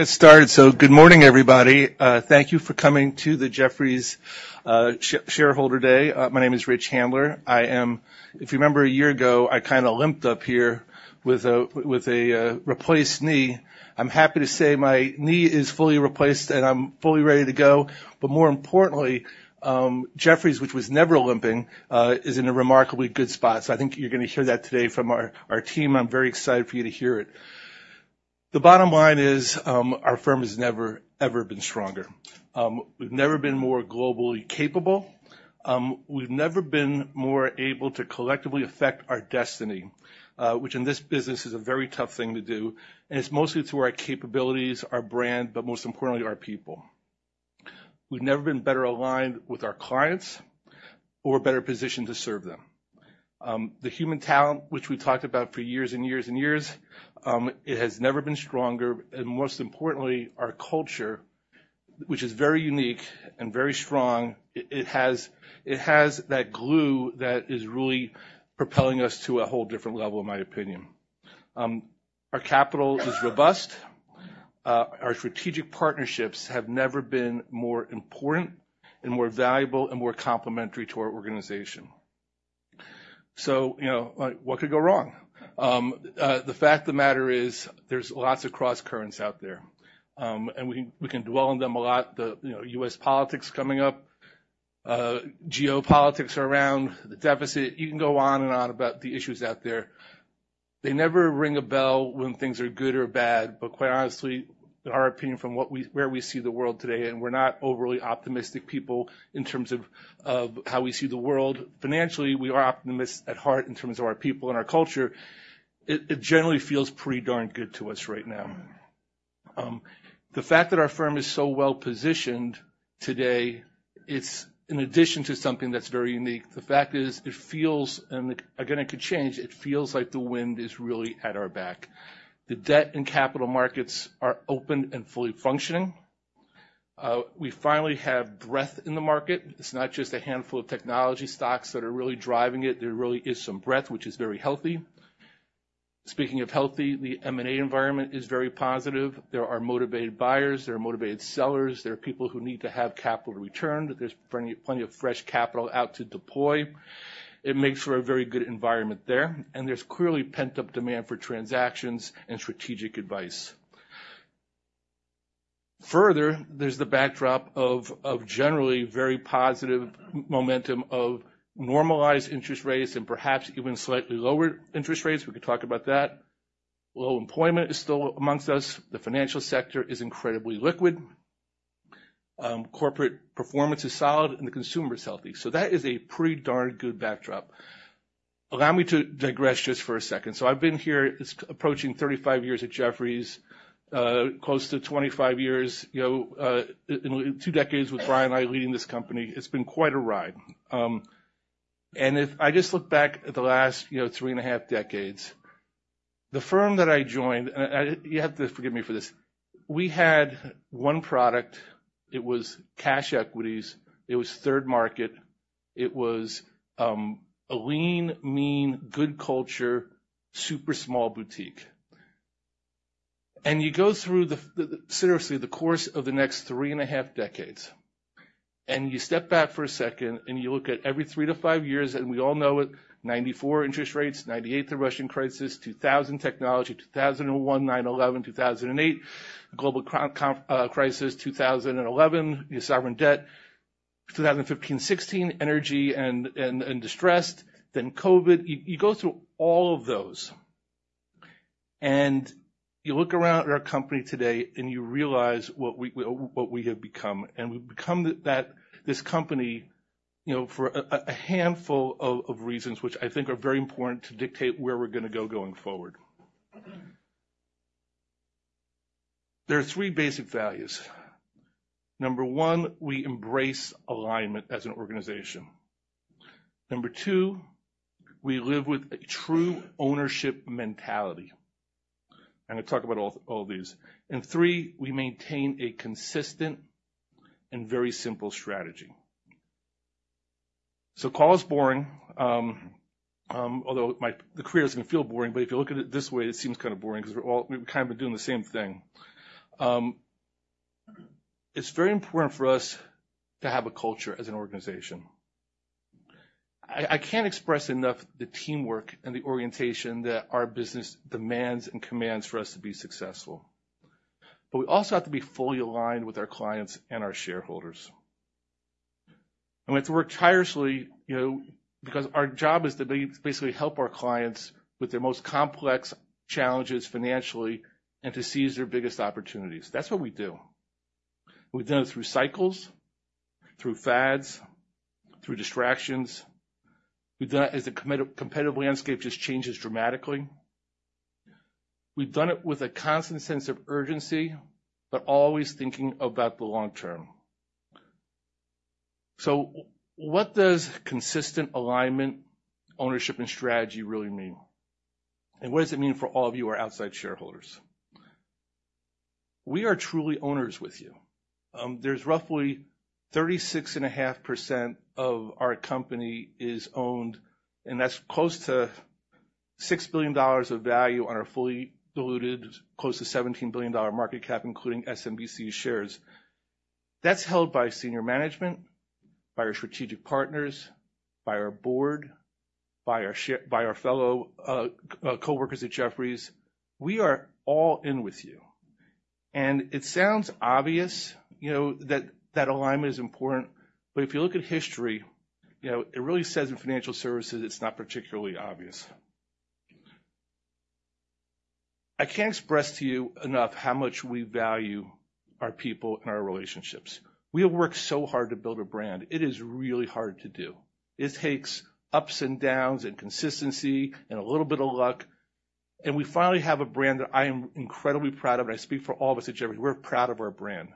Let's start. Good morning, everybody. Thank you for coming to the Jefferies Shareholder Day. My name is Rich Handler. If you remember, a year ago, I kind of limped up here with a replaced knee. I'm happy to say my knee is fully replaced, and I'm fully ready to go. But more importantly, Jefferies, which was never limping, is in a remarkably good spot. I think you're going to hear that today from our team. I'm very excited for you to hear it. The bottom line is, our firm has never, ever been stronger. We've never been more globally capable. We've never been more able to collectively affect our destiny, which in this business, is a very tough thing to do, and it's mostly through our capabilities, our brand, but most importantly, our people. We've never been better aligned with our clients or better positioned to serve them. The human talent, which we talked about for years and years and years, it has never been stronger, and most importantly, our culture, which is very unique and very strong, it has that glue that is really propelling us to a whole different level, in my opinion. Our capital is robust. Our strategic partnerships have never been more important and more valuable and more complementary to our organization. So, you know, like, what could go wrong? The fact of the matter is, there's lots of crosscurrents out there. And we can dwell on them a lot. You know, U.S. politics coming up, geopolitics around the deficit. You can go on and on about the issues out there. They never ring a bell when things are good or bad, but quite honestly, in our opinion, where we see the world today, and we're not overly optimistic people in terms of how we see the world. Financially, we are optimists at heart in terms of our people and our culture. It generally feels pretty darn good to us right now. The fact that our firm is so well-positioned today, it's in addition to something that's very unique. The fact is, it feels, and again, it could change. It feels like the wind is really at our back. The debt and capital markets are open and fully functioning. We finally have breadth in the market. It's not just a handful of technology stocks that are really driving it. There really is some breadth, which is very healthy. Speaking of healthy, the M&A environment is very positive. There are motivated buyers, there are motivated sellers, there are people who need to have capital returned. There's plenty, plenty of fresh capital out to deploy. It makes for a very good environment there, and there's clearly pent-up demand for transactions and strategic advice. Further, there's the backdrop of generally very positive momentum of normalized interest rates and perhaps even slightly lower interest rates. We can talk about that. Low unemployment is still among us. The financial sector is incredibly liquid. Corporate performance is solid, and the consumer is healthy. So that is a pretty darn good backdrop. Allow me to digress just for a second. So I've been here approaching thirty-five years at Jefferies, close to twenty-five years, you know, two decades with Brian and I leading this company. It's been quite a ride. And if I just look back at the last, you know, three and a half decades, the firm that I joined. And you have to forgive me for this, we had one product. It was cash equities, it was third market. It was a lean, mean, good culture, super small boutique. And you go through seriously, the course of the next three and a half decades, and you step back for a second, and you look at every three to five years, and we all know it, 1994 interest rates, 1998, the Russian crisis, 2000, technology, 2001, 9/11, 2008, global crisis, 2011, the sovereign debt, 2015-2016, energy and distressed, then COVID. You go through all of those, and you look around at our company today, and you realize what we have become, and we've become that this company, you know, for a handful of reasons, which I think are very important to dictate where we're going to go going forward. There are three basic values. Number one, we embrace alignment as an organization. Number two, we live with a true ownership mentality, and I talk about all of these. And three, we maintain a consistent and very simple strategy. So call us boring, although my career doesn't feel boring, but if you look at it this way, it seems kind of boring because we've kind of been doing the same thing. It's very important for us to have a culture as an organization. I can't express enough the teamwork and the orientation that our business demands and commands for us to be successful. But we also have to be fully aligned with our clients and our shareholders. And we have to work tirelessly, you know, because our job is to basically help our clients with their most complex challenges financially, and to seize their biggest opportunities. That's what we do. We've done it through cycles, through fads, through distractions. We've done it as the competitive landscape just changes dramatically. We've done it with a constant sense of urgency, but always thinking about the long term. So what does consistent alignment, ownership, and strategy really mean? And what does it mean for all of you, our outside shareholders? We are truly owners with you. There's roughly 36.5% of our company is owned, and that's close to $6 billion of value on our fully diluted, close to $17 billion market cap, including SMBC shares. That's held by senior management, by our strategic partners, by our board, by our fellow coworkers at Jefferies. We are all in with you. It sounds obvious, you know, that that alignment is important, but if you look at history, you know, it really says in financial services, it's not particularly obvious. I can't express to you enough how much we value our people and our relationships. We have worked so hard to build a brand. It is really hard to do. It takes ups and downs and consistency and a little bit of luck, and we finally have a brand that I am incredibly proud of, and I speak for all of us at Jefferies. We're proud of our brand.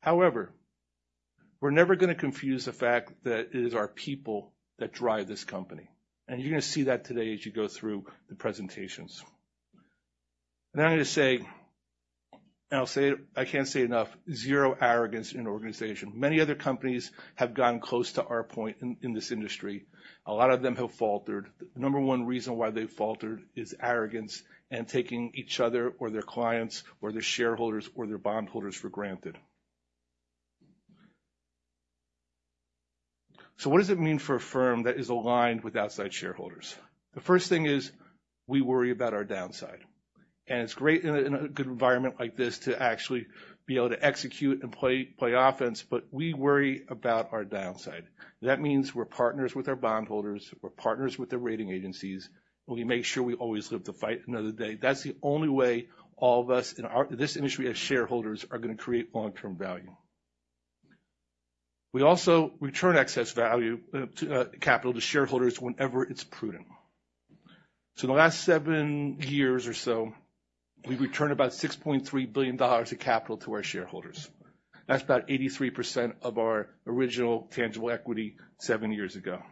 However, we're never gonna confuse the fact that it is our people that drive this company, and you're gonna see that today as you go through the presentations. Then I'm gonna say, and I'll say it, I can't say it enough, zero arrogance in an organization. Many other companies have gotten close to our point in this industry. A lot of them have faltered. The number one reason why they faltered is arrogance and taking each other or their clients or their shareholders or their bondholders for granted. So what does it mean for a firm that is aligned with outside shareholders? The first thing is, we worry about our downside, and it's great in a good environment like this to actually be able to execute and play offense, but we worry about our downside. That means we're partners with our bondholders, we're partners with the rating agencies, and we make sure we always live to fight another day. That's the only way all of us in this industry as shareholders are gonna create long-term value. We also return excess capital to shareholders whenever it's prudent. So in the last seven years or so, we've returned about $6.3 billion of capital to our shareholders. That's about 83% of our original tangible equity seven years ago.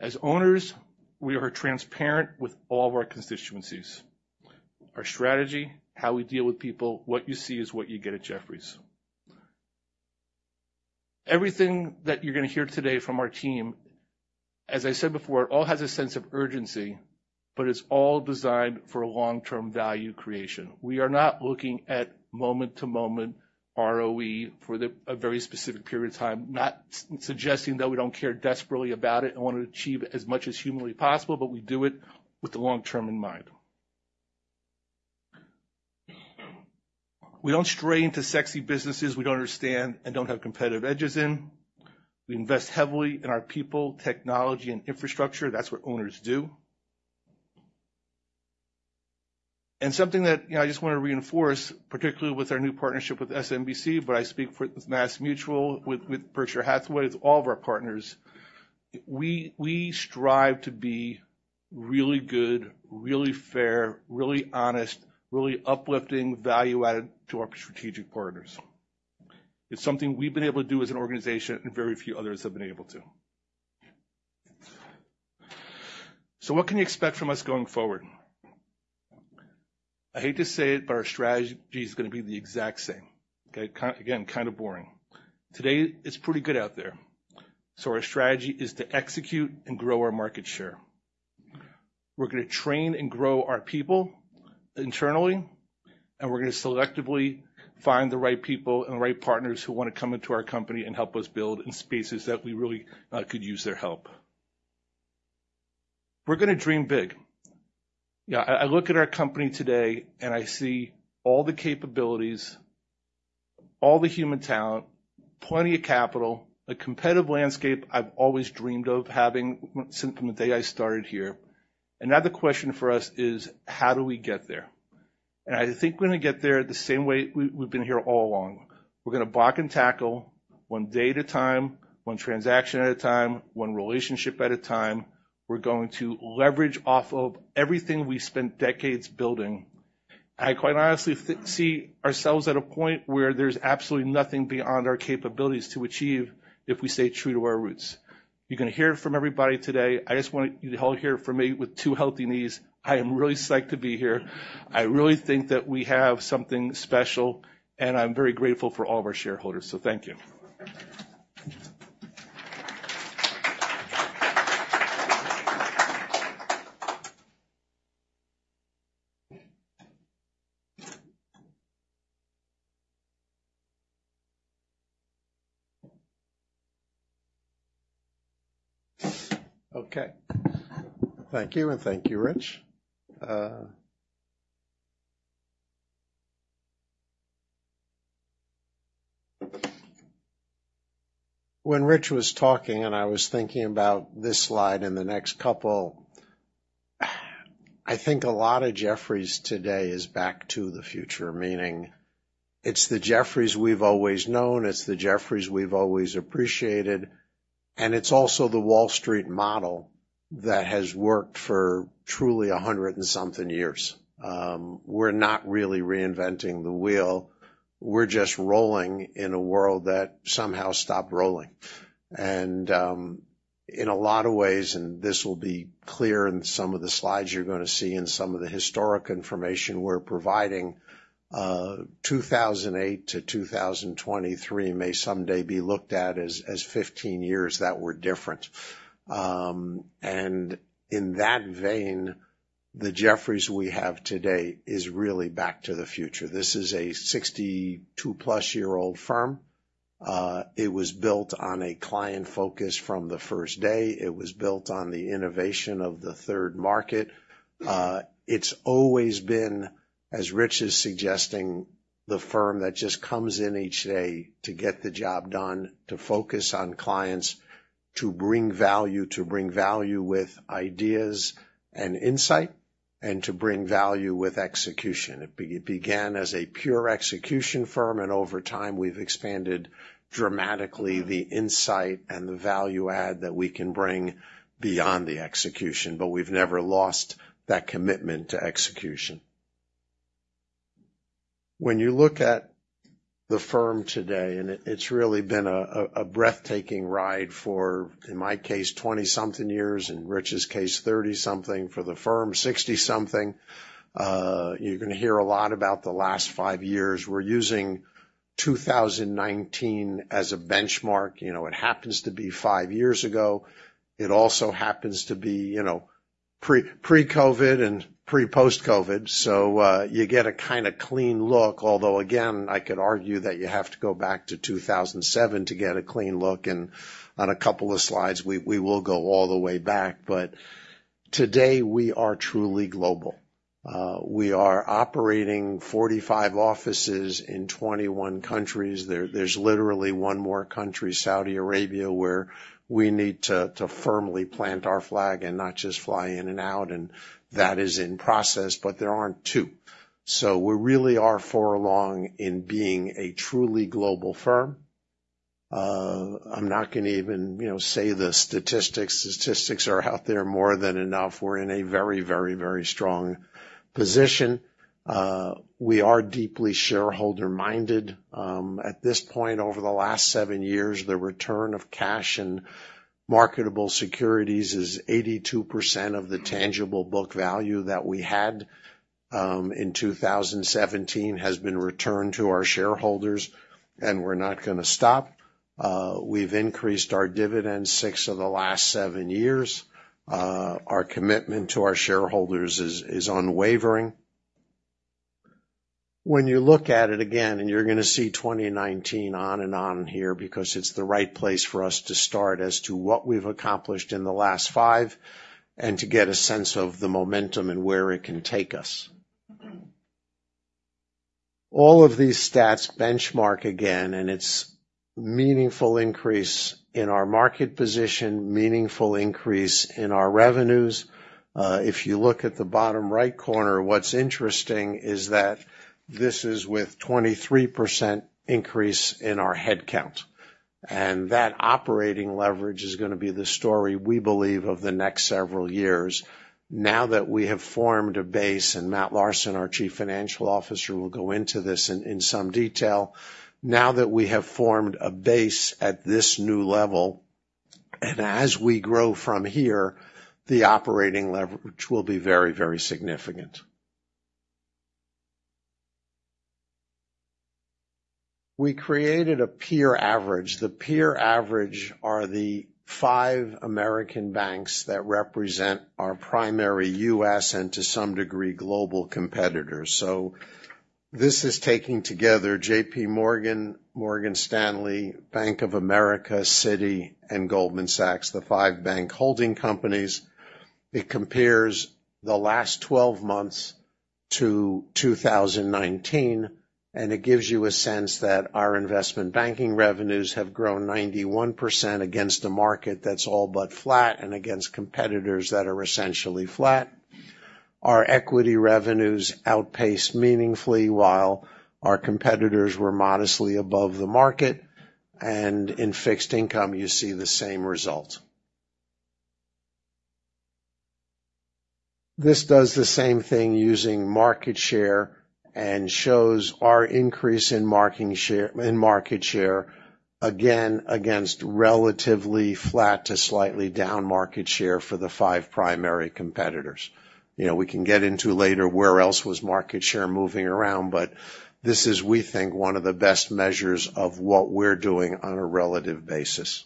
As owners, we are transparent with all of our constituencies. Our strategy, how we deal with people, what you see is what you get at Jefferies. Everything that you're gonna hear today from our team, as I said before, it all has a sense of urgency, but it's all designed for a long-term value creation. We are not looking at moment-to-moment ROE for the... a very specific period of time. Not suggesting that we don't care desperately about it and want to achieve as much as humanly possible, but we do it with the long term in mind. We don't stray into sexy businesses we don't understand and don't have competitive edges in. We invest heavily in our people, technology, and infrastructure. That's what owners do. Something that, you know, I just want to reinforce, particularly with our new partnership with SMBC, but I speak for MassMutual, with Berkshire Hathaway, with all of our partners. We strive to be really good, really fair, really honest, really uplifting, value-added to our strategic partners. It's something we've been able to do as an organization, and very few others have been able to, so what can you expect from us going forward? I hate to say it, but our strategy is gonna be the exact same. Okay? Again, kind of boring. Today, it's pretty good out there, so our strategy is to execute and grow our market share. We're gonna train and grow our people internally, and we're gonna selectively find the right people and the right partners who want to come into our company and help us build in spaces that we really could use their help. We're gonna dream big. Yeah, I look at our company today, and I see all the capabilities, all the human talent, plenty of capital, a competitive landscape I've always dreamed of having since from the day I started here, and now the question for us is: How do we get there, and I think we're gonna get there the same way we've been here all along. We're gonna block and tackle one day at a time, one transaction at a time, one relationship at a time. We're going to leverage off of everything we've spent decades building. I quite honestly see ourselves at a point where there's absolutely nothing beyond our capabilities to achieve if we stay true to our roots. You're gonna hear from everybody today. I just want you to all hear from me with two healthy knees. I am really psyched to be here. I really think that we have something special, and I'm very grateful for all of our shareholders, so thank you. Okay. Thank you, and thank you, Rich. When Rich was talking, and I was thinking about this slide and the next couple, I think a lot of Jefferies today is back to the future, meaning it's the Jefferies we've always known, it's the Jefferies we've always appreciated, and it's also the Wall Street model that has worked for truly a hundred and something years. We're not really reinventing the wheel. We're just rolling in a world that somehow stopped rolling. And, in a lot of ways, and this will be clear in some of the slides you're going to see and some of the historic information we're providing, 2008 to 2023 may someday be looked at as fifteen years that were different, and in that vein the Jefferies we have today is really back to the future. This is a 62-plus-year-old firm. It was built on a client focus from the first day. It was built on the innovation of the third market. It's always been, as Rich is suggesting, the firm that just comes in each day to get the job done, to focus on clients, to bring value, to bring value with ideas and insight, and to bring value with execution. It began as a pure execution firm, and over time, we've expanded dramatically the insight and the value add that we can bring beyond the execution, but we've never lost that commitment to execution. When you look at the firm today, it's really been a breathtaking ride for, in my case, twenty-something years, in Rich's case, thirty-something, for the firm, sixty-something. You're gonna hear a lot about the last five years. We're using 2019 as a benchmark. You know, it happens to be five years ago. It also happens to be, you know, pre- pre-COVID and pre-post-COVID, so, you get a kinda clean look, although, again, I could argue that you have to go back to two thousand and seven to get a clean look, and on a couple of slides, we will go all the way back. But today, we are truly global. We are operating 45 offices in 21 countries. There's literally one more country, Saudi Arabia, where we need to firmly plant our flag and not just fly in and out, and that is in process, but there aren't two. So we really are far along in being a truly global firm. I'm not gonna even, you know, say the statistics. Statistics are out there more than enough. We're in a very, very, very strong position. We are deeply shareholder-minded. At this point, over the last seven years, the return of cash and marketable securities is 82% of the tangible book value that we had in 2017, has been returned to our shareholders, and we're not gonna stop. We've increased our dividends six of the last seven years. Our commitment to our shareholders is unwavering. When you look at it again, and you're gonna see 2019 on and on here because it's the right place for us to start as to what we've accomplished in the last five, and to get a sense of the momentum and where it can take us. All of these stats benchmark again, and it's meaningful increase in our market position, meaningful increase in our revenues. If you look at the bottom right corner, what's interesting is that this is with 23% increase in our head count, and that operating leverage is gonna be the story we believe, of the next several years. Now that we have formed a base, and Matt Larson, our Chief Financial Officer, will go into this in some detail, now that we have formed a base at this new level, and as we grow from here, the operating leverage will be very, very significant. We created a peer average. The peer average are the five American banks that represent our primary U.S., and to some degree, global competitors. So this is taking together JPMorgan, Morgan Stanley, Bank of America, Citi, and Goldman Sachs, the five bank holding companies. It compares the last twelve months to 2019, and it gives you a sense that our investment banking revenues have grown 91% against a market that's all but flat and against competitors that are essentially flat. Our equity revenues outpaced meaningfully, while our competitors were modestly above the market, and in fixed income, you see the same result. This does the same thing using market share and shows our increase in market share, again, against relatively flat to slightly down market share for the five primary competitors. You know, we can get into later, where else was market share moving around, but this is, we think, one of the best measures of what we're doing on a relative basis.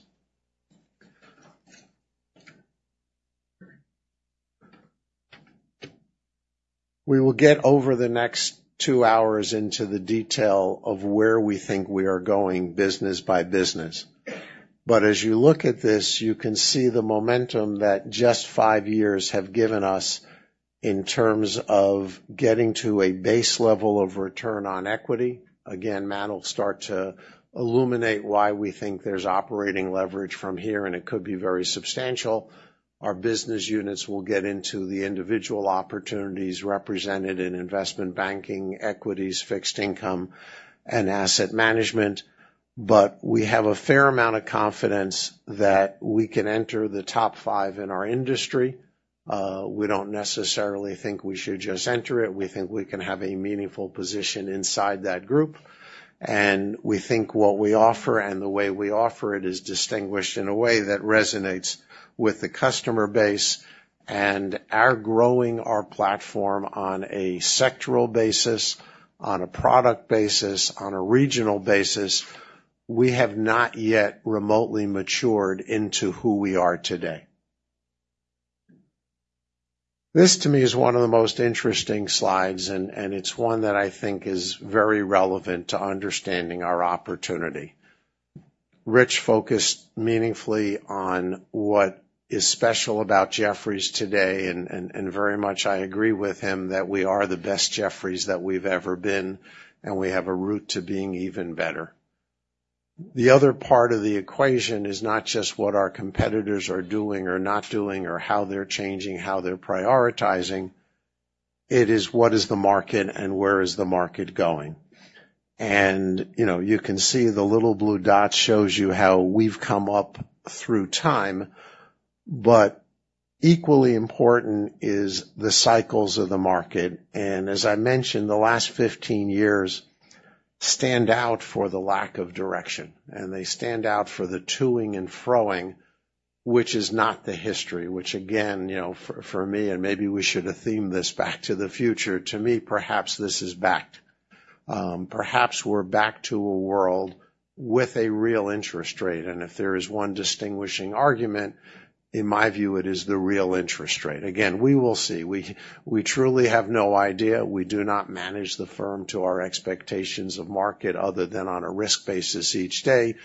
We will get, over the next two hours, into the detail of where we think we are going business by business. But as you look at this, you can see the momentum that just five years have given us in terms of getting to a base level of return on equity. Again, Matt will start to illuminate why we think there's operating leverage from here, and it could be very substantial. Our business units will get into the individual opportunities represented in investment banking, equities, fixed income, and asset management. But we have a fair amount of confidence that we can enter the top five in our industry. We don't necessarily think we should just enter it. We think we can have a meaningful position inside that group, and we think what we offer and the way we offer it is distinguished in a way that resonates with the customer base, and are growing our platform on a sectoral basis, on a product basis, on a regional basis. We have not yet remotely matured into who we are today. This, to me, is one of the most interesting slides, and it's one that I think is very relevant to understanding our opportunity. Rich focused meaningfully on what is special about Jefferies today, and very much I agree with him that we are the best Jefferies that we've ever been, and we have a route to being even better. The other part of the equation is not just what our competitors are doing or not doing, or how they're changing, how they're prioritizing. It is, what is the market and where is the market going? And, you know, you can see the little blue dot shows you how we've come up through time, but equally important is the cycles of the market. As I mentioned, the last 15 years stand out for the lack of direction, and they stand out for the toing and froing, which is not the history, which again, you know, for me, and maybe we should have themed this back to the future. To me, perhaps this is back. Perhaps we're back to a world with a real interest rate, and if there is one distinguishing argument, in my view, it is the real interest rate. Again, we will see. We truly have no idea. We do not manage the firm to our expectations of market other than on a risk basis each day.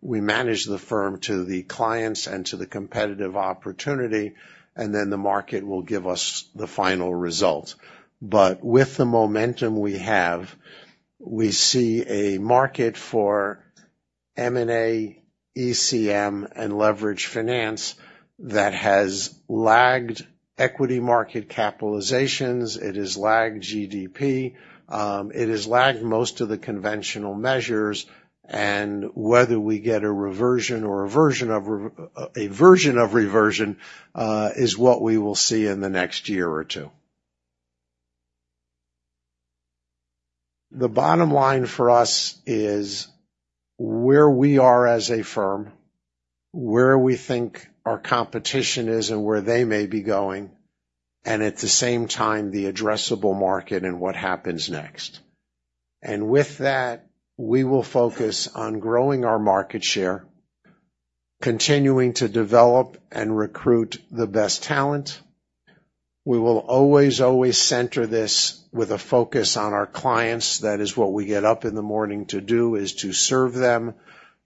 We manage the firm to the clients and to the competitive opportunity, and then the market will give us the final result. But with the momentum we have, we see a market for M&A, ECM, and leveraged finance that has lagged equity market capitalizations. It has lagged GDP. It has lagged most of the conventional measures, and whether we get a reversion or a version of reversion is what we will see in the next year or two. The bottom line for us is where we are as a firm, where we think our competition is and where they may be going, and at the same time, the addressable market and what happens next. And with that, we will focus on growing our market share, continuing to develop and recruit the best talent. We will always, always center this with a focus on our clients. That is, what we get up in the morning to do, is to serve them,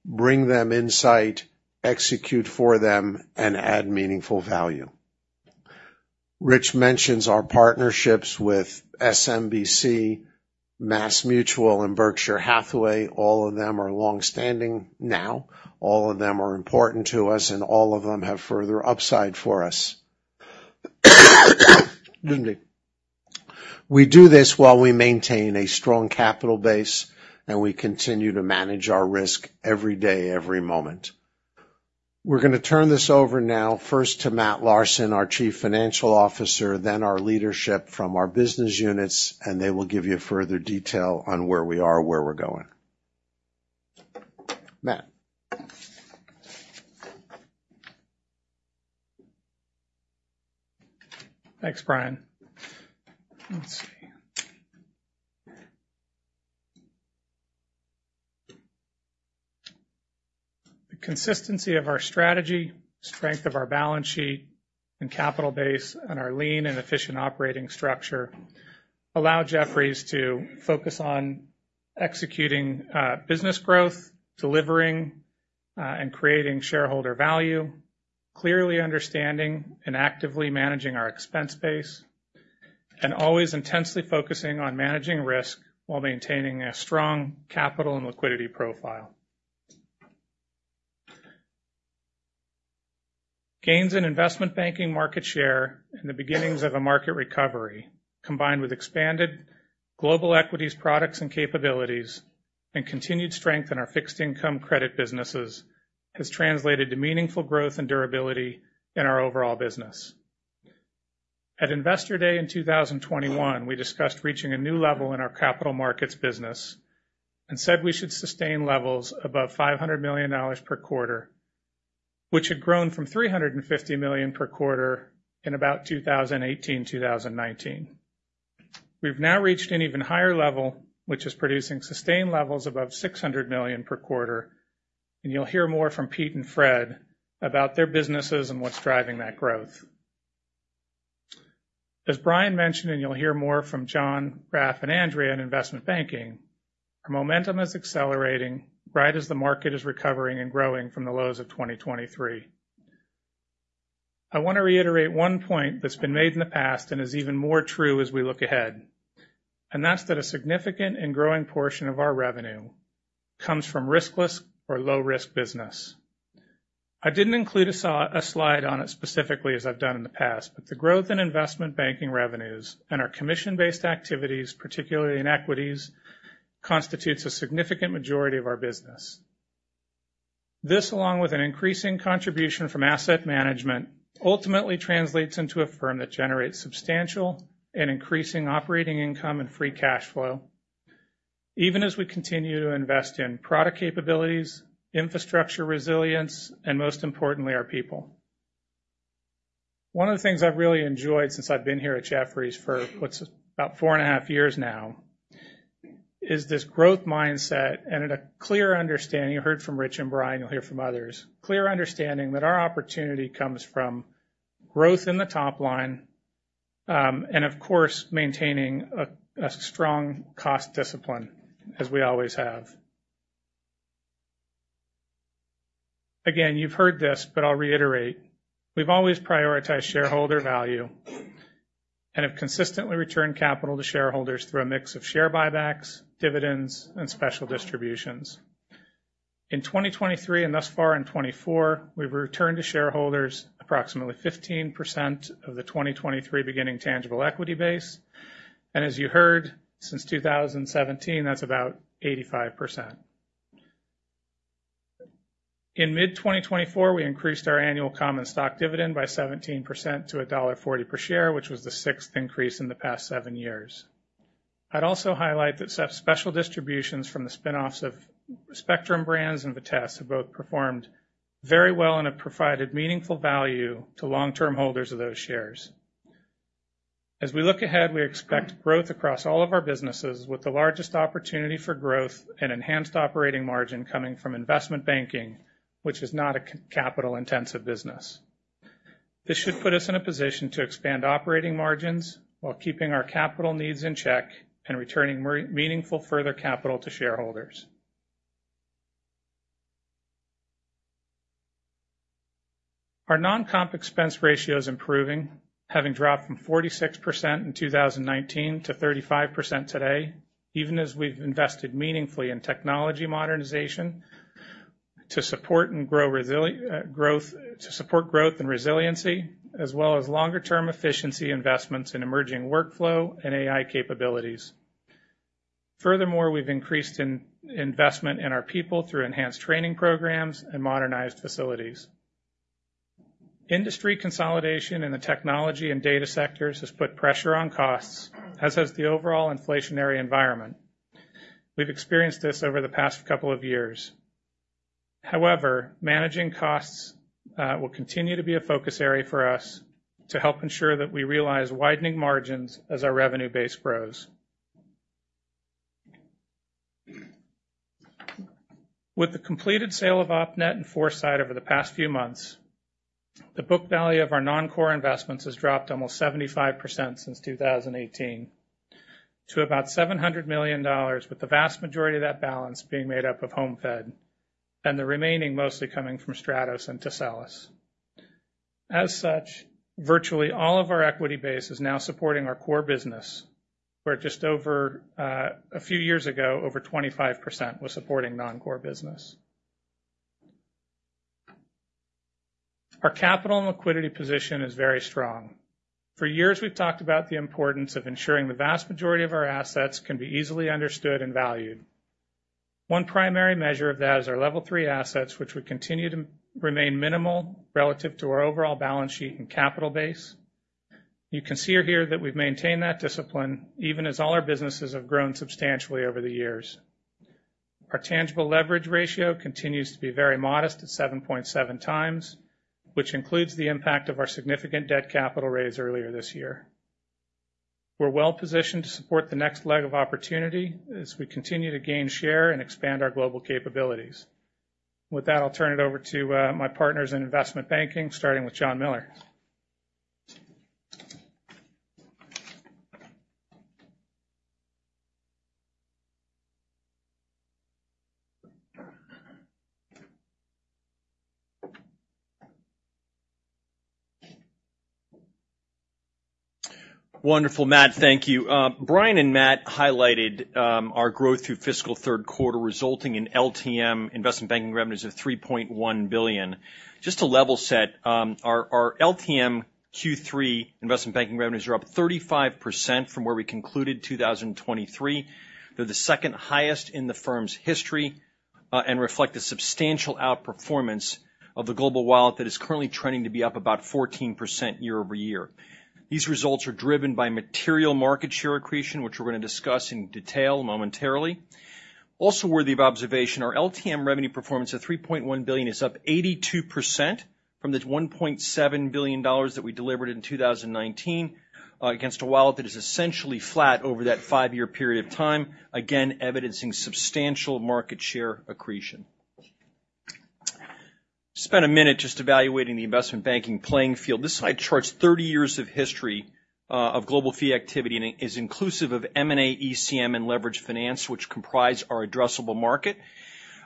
bring them insight, execute for them, and add meaningful value. Rich mentions our partnerships with SMBC, MassMutual, and Berkshire Hathaway. All of them are long-standing now. All of them are important to us, and all of them have further upside for us. Excuse me. We do this while we maintain a strong capital base, and we continue to manage our risk every day, every moment. We're gonna turn this over now, first to Matt Larson, our Chief Financial Officer, then our leadership from our business units, and they will give you further detail on where we are and where we're going. Matt? Thanks, Brian. Let's see. The consistency of our strategy, strength of our balance sheet and capital base, and our lean and efficient operating structure allow Jefferies to focus on executing business growth, delivering, and creating shareholder value, clearly understanding and actively managing our expense base, and always intensely focusing on managing risk while maintaining a strong capital and liquidity profile. Gains in investment banking market share and the beginnings of a market recovery, combined with expanded global equities products and capabilities, and continued strength in our fixed income credit businesses, has translated to meaningful growth and durability in our overall business. At Investor Day in two thousand twenty-one, we discussed reaching a new level in our capital markets business and said we should sustain levels above $500 million per quarter, which had grown from $350 million per quarter in about 2018-2019. We've now reached an even higher level, which is producing sustained levels above $600 million per quarter, and you'll hear more from Pete and Fred about their businesses and what's driving that growth. As Brian mentioned, and you'll hear more from John, Rich, and Andrea in investment banking, our momentum is accelerating right as the market is recovering and growing from the lows of 2023. I want to reiterate one point that's been made in the past and is even more true as we look ahead, and that's that a significant and growing portion of our revenue comes from riskless or low-risk business. I didn't include a slide on it specifically, as I've done in the past, but the growth in investment banking revenues and our commission-based activities, particularly in equities, constitutes a significant majority of our business. This, along with an increasing contribution from asset management, ultimately translates into a firm that generates substantial and increasing operating income and free cash flow, even as we continue to invest in product capabilities, infrastructure, resilience, and most importantly, our people. One of the things I've really enjoyed since I've been here at Jefferies for, what's this, about four and a half years now, is this growth mindset and at a clear understanding. You heard from Rich and Brian. You'll hear from others, clear understanding that our opportunity comes from growth in the top line, and of course, maintaining a strong cost discipline, as we always have. Again, you've heard this, but I'll reiterate. We've always prioritized shareholder value, and have consistently returned capital to shareholders through a mix of share buybacks, dividends, and special distributions. In 2023, and thus far in 2024, we've returned to shareholders approximately 15% of the 2023 beginning tangible equity base, and as you heard, since 2017, that's about 85%. In mid-2024, we increased our annual common stock dividend by 17% to $1.40 per share, which was the sixth increase in the past seven years. I'd also highlight that special distributions from the spinoffs of Spectrum Brands and Vitesse have both performed very well and have provided meaningful value to long-term holders of those shares. As we look ahead, we expect growth across all of our businesses, with the largest opportunity for growth and enhanced operating margin coming from investment banking, which is not a capital-intensive business. This should put us in a position to expand operating margins while keeping our capital needs in check and returning meaningful further capital to shareholders. Our non-comp expense ratio is improving, having dropped from 46% in 2019 to 35% today, even as we've invested meaningfully in technology modernization to support growth and resiliency, as well as longer-term efficiency investments in emerging workflow and AI capabilities. Furthermore, we've increased in investment in our people through enhanced training programs and modernized facilities. Industry consolidation in the technology and data sectors has put pressure on costs, as has the overall inflationary environment. We've experienced this over the past couple of years. However, managing costs will continue to be a focus area for us to help ensure that we realize widening margins as our revenue base grows. With the completed sale of OpNet and Foresight over the past few months, the book value of our non-core investments has dropped almost 75% since 2018 to about $700 million, with the vast majority of that balance being made up of HomeFed, and the remaining mostly coming from Stratos and Tessellis. As such, virtually all of our equity base is now supporting our core business, where just over a few years ago, over 25% was supporting non-core business. Our capital and liquidity position is very strong. For years, we've talked about the importance of ensuring the vast majority of our assets can be easily understood and valued. One primary measure of that is our Level 3 assets, which would continue to remain minimal relative to our overall balance sheet and capital base. You can see or hear that we've maintained that discipline, even as all our businesses have grown substantially over the years. Our tangible leverage ratio continues to be very modest at 7.7x, which includes the impact of our significant debt capital raise earlier this year. We're well-positioned to support the next leg of opportunity as we continue to gain share and expand our global capabilities. With that, I'll turn it over to my partners in investment banking, starting with John Miller. Wonderful, Matt, thank you. Brian and Matt highlighted our growth through fiscal third quarter, resulting in LTM investment banking revenues of $3.1 billion. Just to level set, our LTM Q3 investment banking revenues are up 35% from where we concluded 2023. They're the second highest in the firm's history, and reflect a substantial outperformance of the global wallet that is currently trending to be up about 14% year over year. These results are driven by material market share accretion, which we're gonna discuss in detail momentarily. Also worthy of observation, our LTM revenue performance of $3.1 billion is up 82% from the $1.7 billion that we delivered in 2019, against a wallet that is essentially flat over that five-year period of time, again, evidencing substantial market share accretion. Spend a minute just evaluating the investment banking playing field. This slide charts thirty years of history, of global fee activity, and it is inclusive of M&A, ECM, and leverage finance, which comprise our addressable market.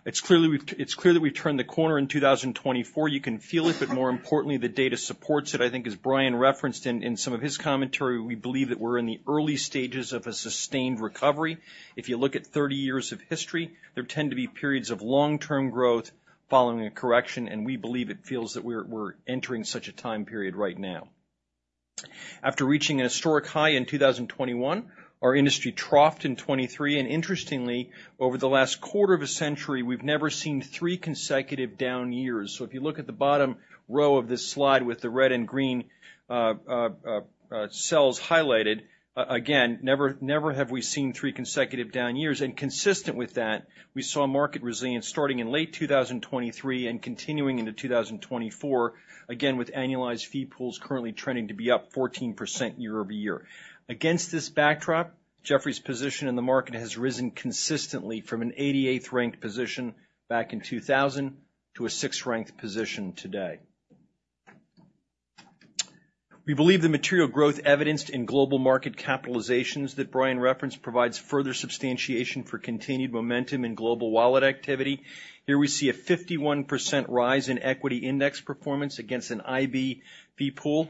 It's clear that we've turned the corner in 2024. You can feel it, but more importantly, the data supports it. I think as Brian referenced in some of his commentary, we believe that we're in the early stages of a sustained recovery. If you look at thirty years of history, there tend to be periods of long-term growth following a correction, and we believe it feels that we're entering such a time period right now. After reaching a historic high in 2021, our industry troughed in 2023, and interestingly, over the last quarter of a century, we've never seen three consecutive down years. So if you look at the bottom row of this slide with the red and green cells highlighted. Again, never, never have we seen three consecutive down years. And consistent with that, we saw market resilience starting in late 2023 and continuing into 2024, again, with annualized fee pools currently trending to be up 14% year-over-year. Against this backdrop, Jefferies' position in the market has risen consistently from an 88th-ranked position back in 2000 to a 6th-ranked position today. We believe the material growth evidenced in global market capitalizations that Brian referenced provides further substantiation for continued momentum in global wallet activity. Here we see a 51% rise in equity index performance against an IB fee pool,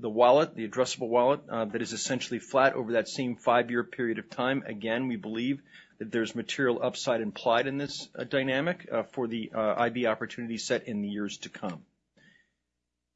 the wallet, the addressable wallet, that is essentially flat over that same five-year period of time. Again, we believe that there's material upside implied in this dynamic for the IB opportunity set in the years to come.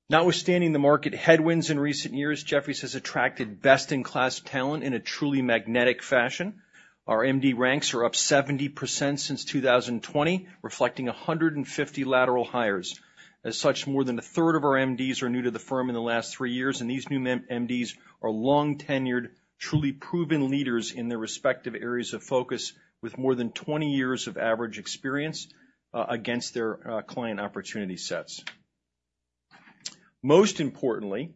Notwithstanding the market headwinds in recent years, Jefferies has attracted best-in-class talent in a truly magnetic fashion. Our MD ranks are up 70% since 2020, reflecting 150 lateral hires. As such, more than a third of our MDs are new to the firm in the last 3 years, and these new MDs are long-tenured, truly proven leaders in their respective areas of focus, with more than 20 years of average experience against their client opportunity sets. Most importantly,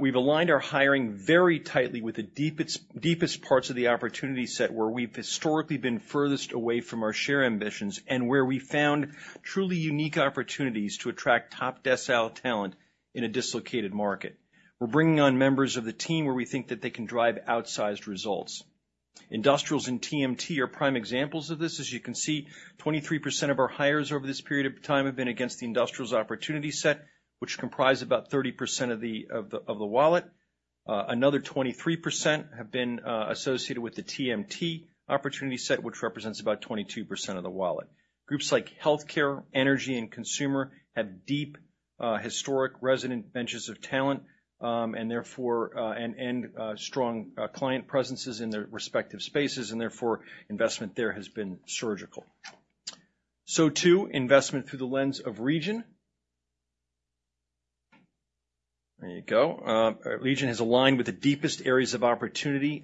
we've aligned our hiring very tightly with the deepest parts of the opportunity set, where we've historically been furthest away from our share ambitions, and where we found truly unique opportunities to attract top-decile talent in a dislocated market. We're bringing on members of the team where we think that they can drive outsized results. Industrials and TMT are prime examples of this. As you can see, 23% of our hires over this period of time have been against the industrials opportunity set, which comprise about 30% of the wallet. Another 23% have been associated with the TMT opportunity set, which represents about 22% of the wallet. Groups like healthcare, energy, and consumer have deep historic resident benches of talent, and therefore. Strong client presences in their respective spaces, and therefore, investment there has been surgical. So too, investment through the lens of region. Region has aligned with the deepest areas of opportunity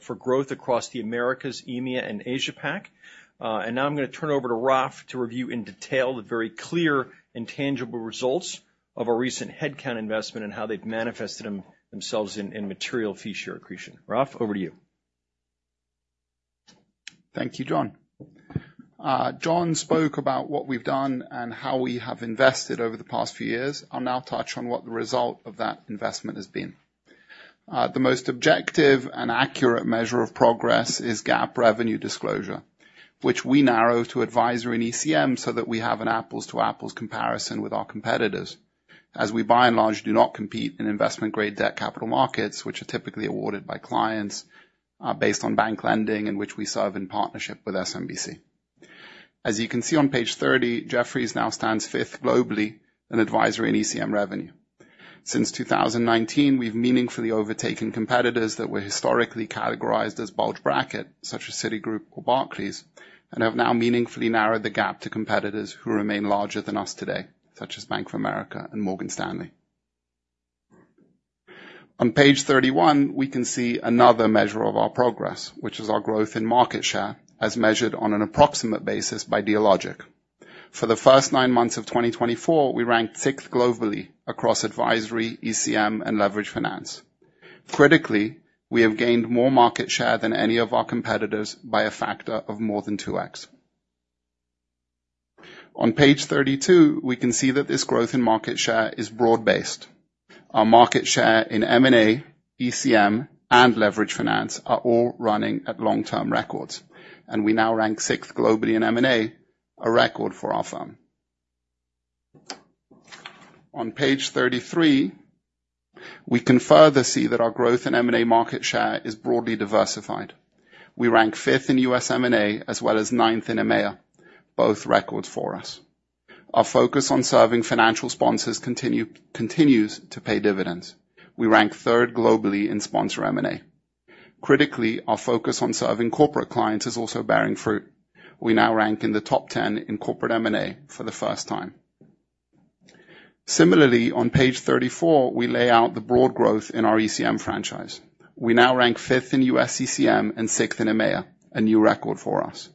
for growth across the Americas, EMEA, and Asia Pac. And now I'm gonna turn over to Raph to review in detail the very clear and tangible results of our recent headcount investment and how they've manifested themselves in material fee share accretion. Raph, over to you. Thank you, John. John spoke about what we've done and how we have invested over the past few years. I'll now touch on what the result of that investment has been. The most objective and accurate measure of progress is GAAP revenue disclosure, which we narrow to advisory and ECM, so that we have an apples-to-apples comparison with our competitors. As we, by and large, do not compete in investment-grade debt capital markets, which are typically awarded by clients, based on bank lending, in which we serve in partnership with SMBC. As you can see on page 30, Jefferies now stands fifth globally in advisory and ECM revenue. Since 2019, we've meaningfully overtaken competitors that were historically categorized as bulge bracket, such as Citigroup or Barclays, and have now meaningfully narrowed the gap to competitors who remain larger than us today, such as Bank of America and Morgan Stanley. On page 31, we can see another measure of our progress, which is our growth in market share, as measured on an approximate basis by Dealogic. For the first nine months of 2024, we ranked sixth globally across advisory, ECM, and leveraged finance. Critically, we have gained more market share than any of our competitors by a factor of more than 2x. On page 32, we can see that this growth in market share is broad-based. Our market share in M&A, ECM, and leveraged finance are all running at long-term records, and we now rank sixth globally in M&A, a record for our firm. On page 33, we can further see that our growth in M&A market share is broadly diversified. We rank fifth in U.S. M&A, as well as ninth in EMEA, both records for us. Our focus on serving financial sponsors continues to pay dividends. We rank third globally in sponsor M&A. Critically, our focus on serving corporate clients is also bearing fruit. We now rank in the top ten in corporate M&A for the first time. Similarly, on page thirty-four, we lay out the broad growth in our ECM franchise. We now rank fifth in U.S. ECM and sixth in EMEA, a new record for us.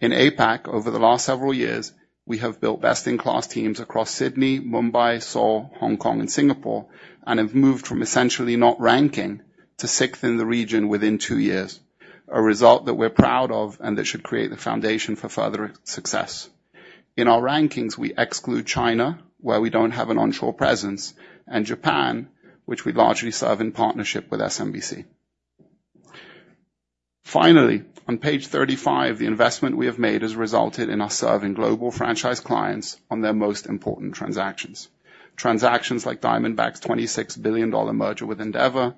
In APAC, over the last several years, we have built best-in-class teams across Sydney, Mumbai, Seoul, Hong Kong, and Singapore, and have moved from essentially not ranking to sixth in the region within two years, a result that we're proud of and that should create the foundation for further success. In our rankings, we exclude China, where we don't have an onshore presence, and Japan, which we largely serve in partnership with SMBC. Finally, on page 35, the investment we have made has resulted in us serving global franchise clients on their most important transactions. Transactions like Diamondback's $26 billion merger with Endeavor,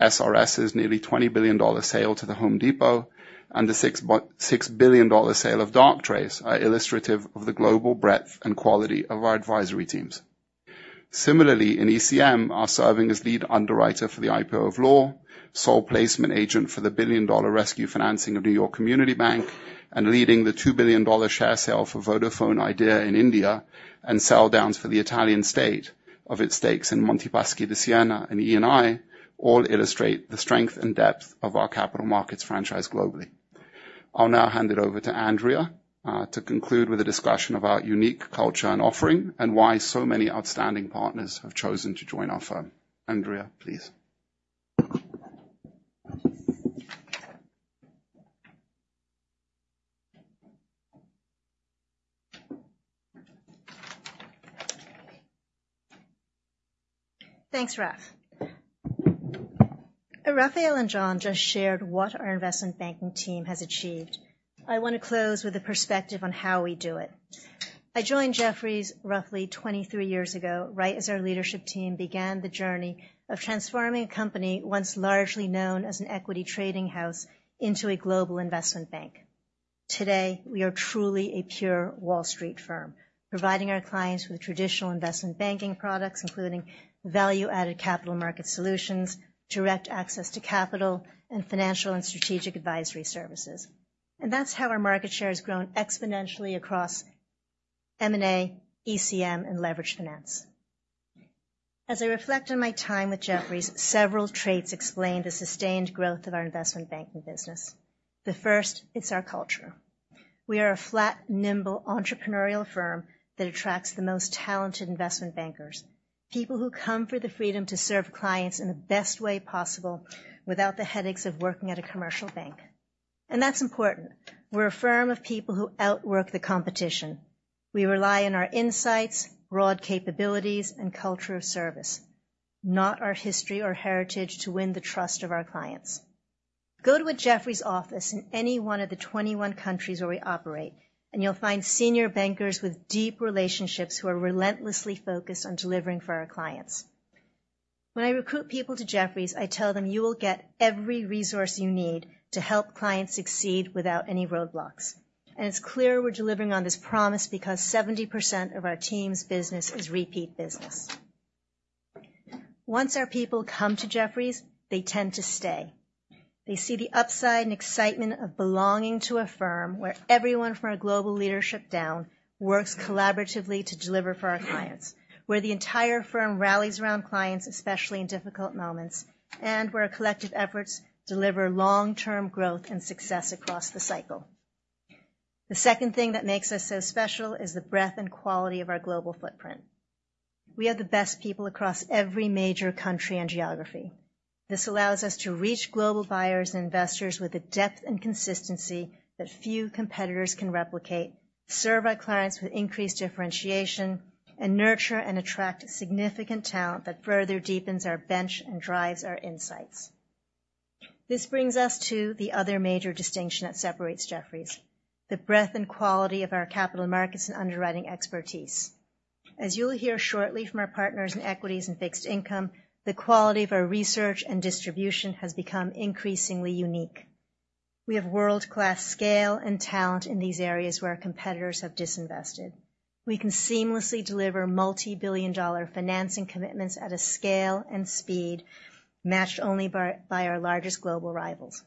SRS's nearly $20 billion sale to The Home Depot, and the $6 billion sale of Darktrace, are illustrative of the global breadth and quality of our advisory teams. Similarly, in ECM, our serving as lead underwriter for the IPO of Loar Holdings, sole placement agent for the $1 billion-dollar rescue financing of New York Community Bank, and leading the $2 billion share sale for Vodafone Idea in India, and sell downs for the Italian state of its stakes in Monte Paschi di Siena and Eni, all illustrate the strength and depth of our capital markets franchise globally. I'll now hand it over to Andrea to conclude with a discussion of our unique culture and offering, and why so many outstanding partners have chosen to join our firm. Andrea, please. Thanks, Raph. Raphael and John just shared what our investment banking team has achieved. I want to close with a perspective on how we do it. I joined Jefferies roughly twenty-three years ago, right as our leadership team began the journey of transforming a company once largely known as an equity trading house into a global investment bank. Today, we are truly a pure Wall Street firm, providing our clients with traditional investment banking products, including value-added capital market solutions, direct access to capital, and financial and strategic advisory services. And that's how our market share has grown exponentially across M&A, ECM, and leveraged finance. As I reflect on my time with Jefferies, several traits explain the sustained growth of our investment banking business. The first, it's our culture. We are a flat, nimble, entrepreneurial firm that attracts the most talented investment bankers, people who come for the freedom to serve clients in the best way possible, without the headaches of working at a commercial bank, and that's important. We're a firm of people who outwork the competition. We rely on our insights, broad capabilities, and culture of service, not our history or heritage to win the trust of our clients. Go to a Jefferies office in any one of the 21 countries where we operate, and you'll find senior bankers with deep relationships who are relentlessly focused on delivering for our clients. When I recruit people to Jefferies, I tell them: "You will get every resource you need to help clients succeed without any roadblocks," and it's clear we're delivering on this promise because 70% of our teams' business is repeat business. Once our people come to Jefferies, they tend to stay. They see the upside and excitement of belonging to a firm where everyone from our global leadership down, works collaboratively to deliver for our clients, where the entire firm rallies around clients, especially in difficult moments, and where our collective efforts deliver long-term growth and success across the cycle. The second thing that makes us so special is the breadth and quality of our global footprint. We have the best people across every major country and geography. This allows us to reach global buyers and investors with a depth and consistency that few competitors can replicate, serve our clients with increased differentiation, and nurture and attract significant talent that further deepens our bench and drives our insights. This brings us to the other major distinction that separates Jefferies, the breadth and quality of our capital markets and underwriting expertise. As you'll hear shortly from our partners in equities and fixed income, the quality of our research and distribution has become increasingly unique. We have world-class scale and talent in these areas where our competitors have disinvested. We can seamlessly deliver multi-billion-dollar financing commitments at a scale and speed matched only by our largest global rivals.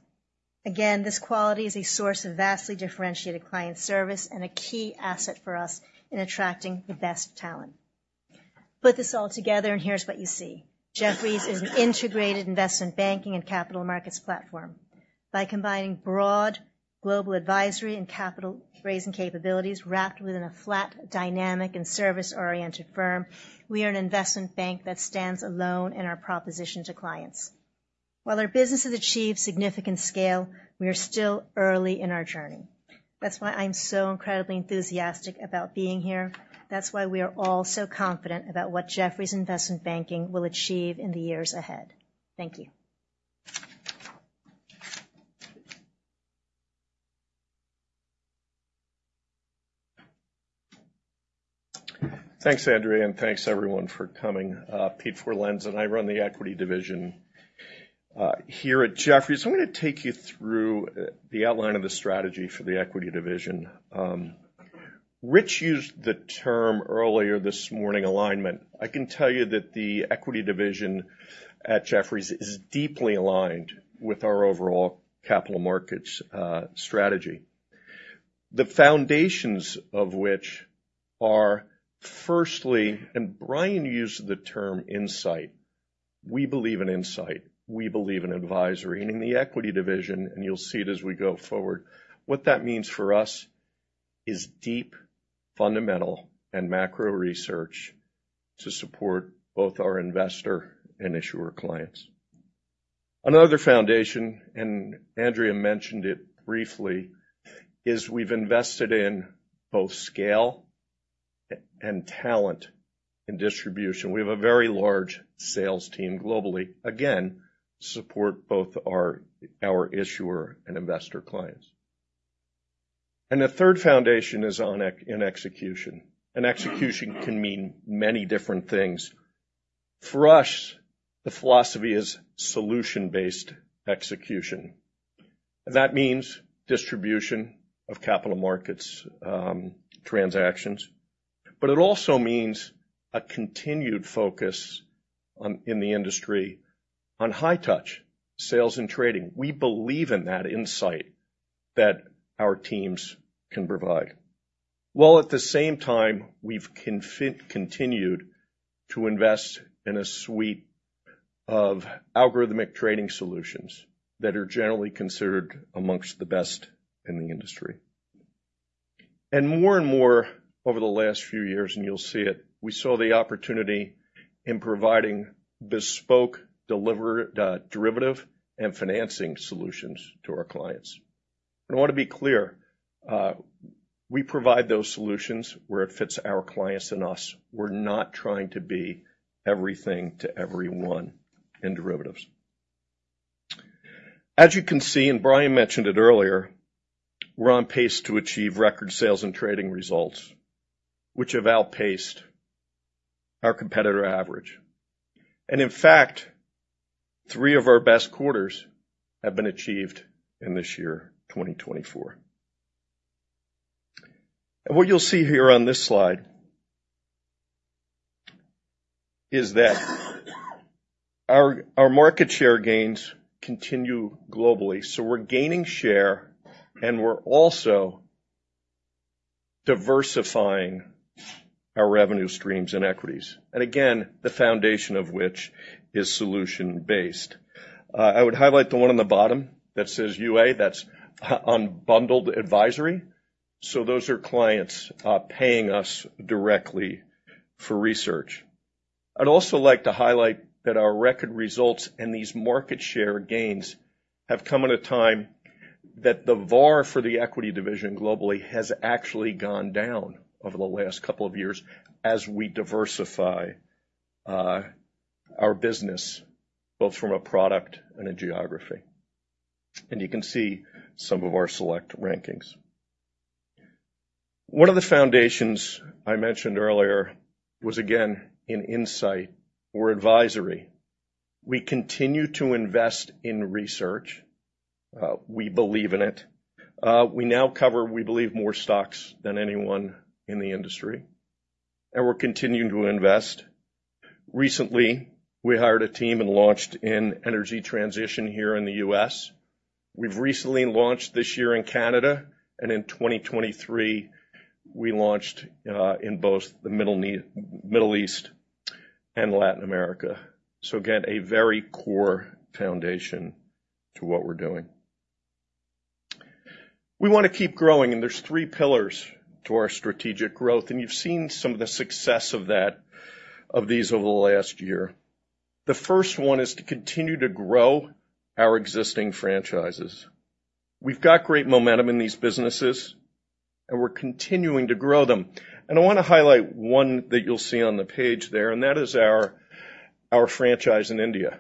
Again, this quality is a source of vastly differentiated client service and a key asset for us in attracting the best talent. Put this all together, and here's what you see. Jefferies is an integrated investment banking and capital markets platform. By combining broad global advisory and capital-raising capabilities, wrapped within a flat, dynamic, and service-oriented firm, we are an investment bank that stands alone in our proposition to clients. While our business has achieved significant scale, we are still early in our journey. That's why I'm so incredibly enthusiastic about being here. That's why we are all so confident about what Jefferies Investment Banking will achieve in the years ahead. Thank you. Thanks, Andrea, and thanks, everyone, for coming. Pete Forlenza, and I run the equity division, here at Jefferies. I'm going to take you through, the outline of the strategy for the equity division. Rich used the term earlier this morning, alignment. I can tell you that the equity division at Jefferies is deeply aligned with our overall capital markets, strategy. The foundations of which are firstly... And Brian used the term insight. We believe in insight, we believe in advisory. And in the equity division, and you'll see it as we go forward, what that means for us is deep, fundamental, and macro research to support both our investor and issuer clients. Another foundation, and Andrea mentioned it briefly, is we've invested in both scale and talent and distribution. We have a very large sales team globally. Again, support both our issuer and investor clients. And the third foundation is on execution, and execution can mean many different things. For us, the philosophy is solution-based execution. That means distribution of capital markets transactions, but it also means a continued focus on, in the industry on high touch, sales, and trading. We believe in that insight that our teams can provide. While at the same time, we've continued to invest in a suite of algorithmic trading solutions that are generally considered among the best in the industry. And more and more, over the last few years, and you'll see it, we saw the opportunity in providing bespoke delivery, derivative, and financing solutions to our clients. And I want to be clear, we provide those solutions where it fits our clients and us. We're not trying to be everything to everyone in derivatives. As you can see, and Brian mentioned it earlier, we're on pace to achieve record sales and trading results, which have outpaced our competitor average. And in fact, three of our best quarters have been achieved in this year, 2024. And what you'll see here on this slide is that our market share gains continue globally. So we're gaining share, and we're also diversifying our revenue streams and equities, and again, the foundation of which is solution-based. I would highlight the one on the bottom that says UA, that's unbundled advisory. So those are clients paying us directly for research. I'd also like to highlight that our record results and these market share gains have come at a time that the VaR for the equity division globally has actually gone down over the last couple of years as we diversify our business, both from a product and a geography. You can see some of our select rankings. One of the foundations I mentioned earlier was, again, insight or advisory. We continue to invest in research. We believe in it. We now cover, we believe, more stocks than anyone in the industry, and we're continuing to invest. Recently, we hired a team and launched in energy transition here in the U.S. We've recently launched this year in Canada, and in 2023, we launched in both the Middle East and Latin America. So again, a very core foundation to what we're doing. We want to keep growing, and there's three pillars to our strategic growth, and you've seen some of the success of that, of these over the last year. The first one is to continue to grow our existing franchises. We've got great momentum in these businesses, and we're continuing to grow them. And I want to highlight one that you'll see on the page there, and that is our franchise in India.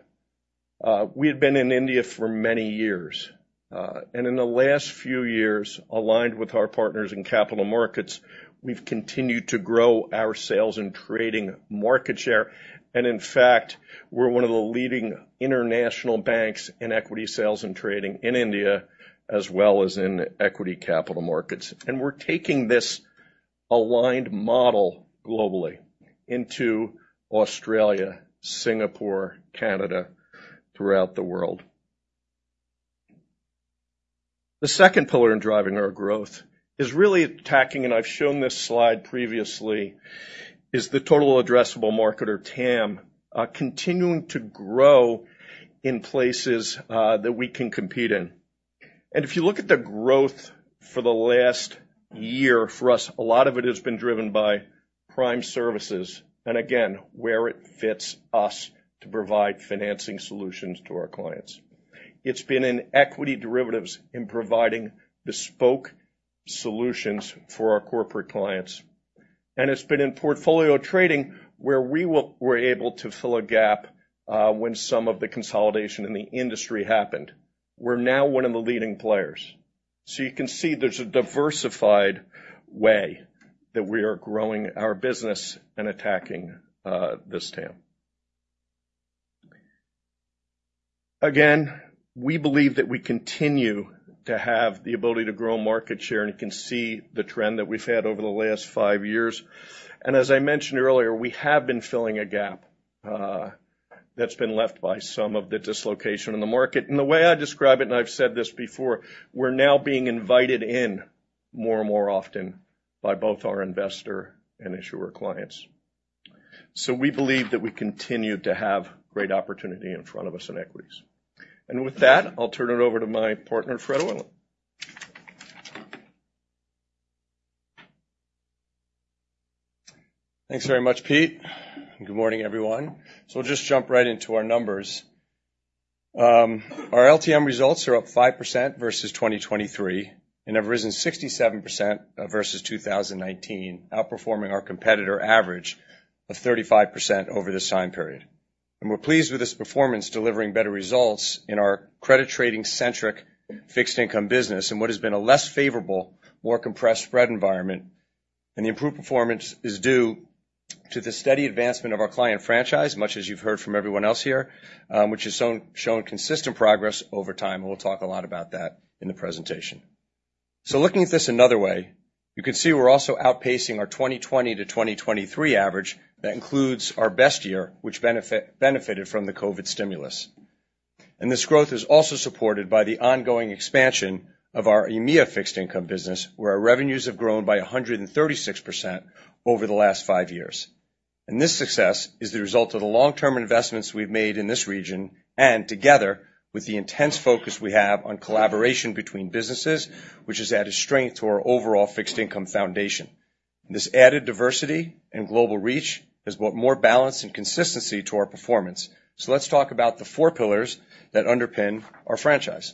We had been in India for many years, and in the last few years, aligned with our partners in capital markets, we've continued to grow our sales and trading market share. And in fact, we're one of the leading international banks in equity sales and trading in India, as well as in equity capital markets. And we're taking this aligned model globally into Australia, Singapore, Canada, throughout the world. The second pillar in driving our growth is really attacking, and I've shown this slide previously, is the total addressable market, or TAM, continuing to grow in places that we can compete in. And if you look at the growth for the last year, for us, a lot of it has been driven by prime services, and again, where it fits us to provide financing solutions to our clients. It's been in equity derivatives, in providing bespoke solutions for our corporate clients, and it's been in portfolio trading, where we will-- were able to fill a gap, when some of the consolidation in the industry happened. We're now one of the leading players. So you can see there's a diversified way that we are growing our business and attacking this TAM. Again, we believe that we continue to have the ability to grow market share, and you can see the trend that we've had over the last five years. And as I mentioned earlier, we have been filling a gap that's been left by some of the dislocation in the market. And the way I describe it, and I've said this before, we're now being invited in more and more often by both our investor and issuer clients. So we believe that we continue to have great opportunity in front of us in equities. And with that, I'll turn it over to my partner, Fred Orlan. Thanks very much, Pete. Good morning, everyone. We'll just jump right into our numbers. Our LTM results are up 5% versus 2023, and have risen 67% versus 2019, outperforming our competitor average of 35% over this time period. We're pleased with this performance, delivering better results in our credit trading-centric fixed income business in what has been a less favorable, more compressed spread environment. The improved performance is due to the steady advancement of our client franchise, much as you've heard from everyone else here, which has shown consistent progress over time, and we'll talk a lot about that in the presentation. Looking at this another way, you can see we're also outpacing our 2020 to 2023 average. That includes our best year, which benefited from the COVID stimulus. This growth is also supported by the ongoing expansion of our EMEA fixed income business, where our revenues have grown by 136% over the last five years. This success is the result of the long-term investments we've made in this region, and together with the intense focus we have on collaboration between businesses, which has added strength to our overall fixed income foundation. This added diversity and global reach has brought more balance and consistency to our performance. Let's talk about the four pillars that underpin our franchise.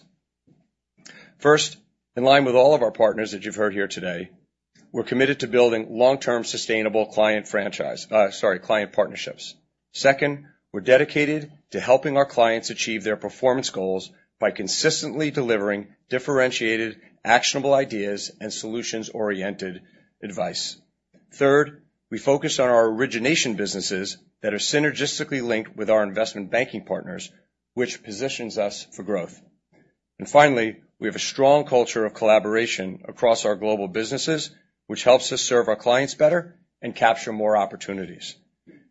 First, in line with all of our partners that you've heard here today, we're committed to building long-term, sustainable client partnerships. Second, we're dedicated to helping our clients achieve their performance goals by consistently delivering differentiated, actionable ideas and solutions-oriented advice. Third, we focus on our origination businesses that are synergistically linked with our investment banking partners, which positions us for growth. And finally, we have a strong culture of collaboration across our global businesses, which helps us serve our clients better and capture more opportunities.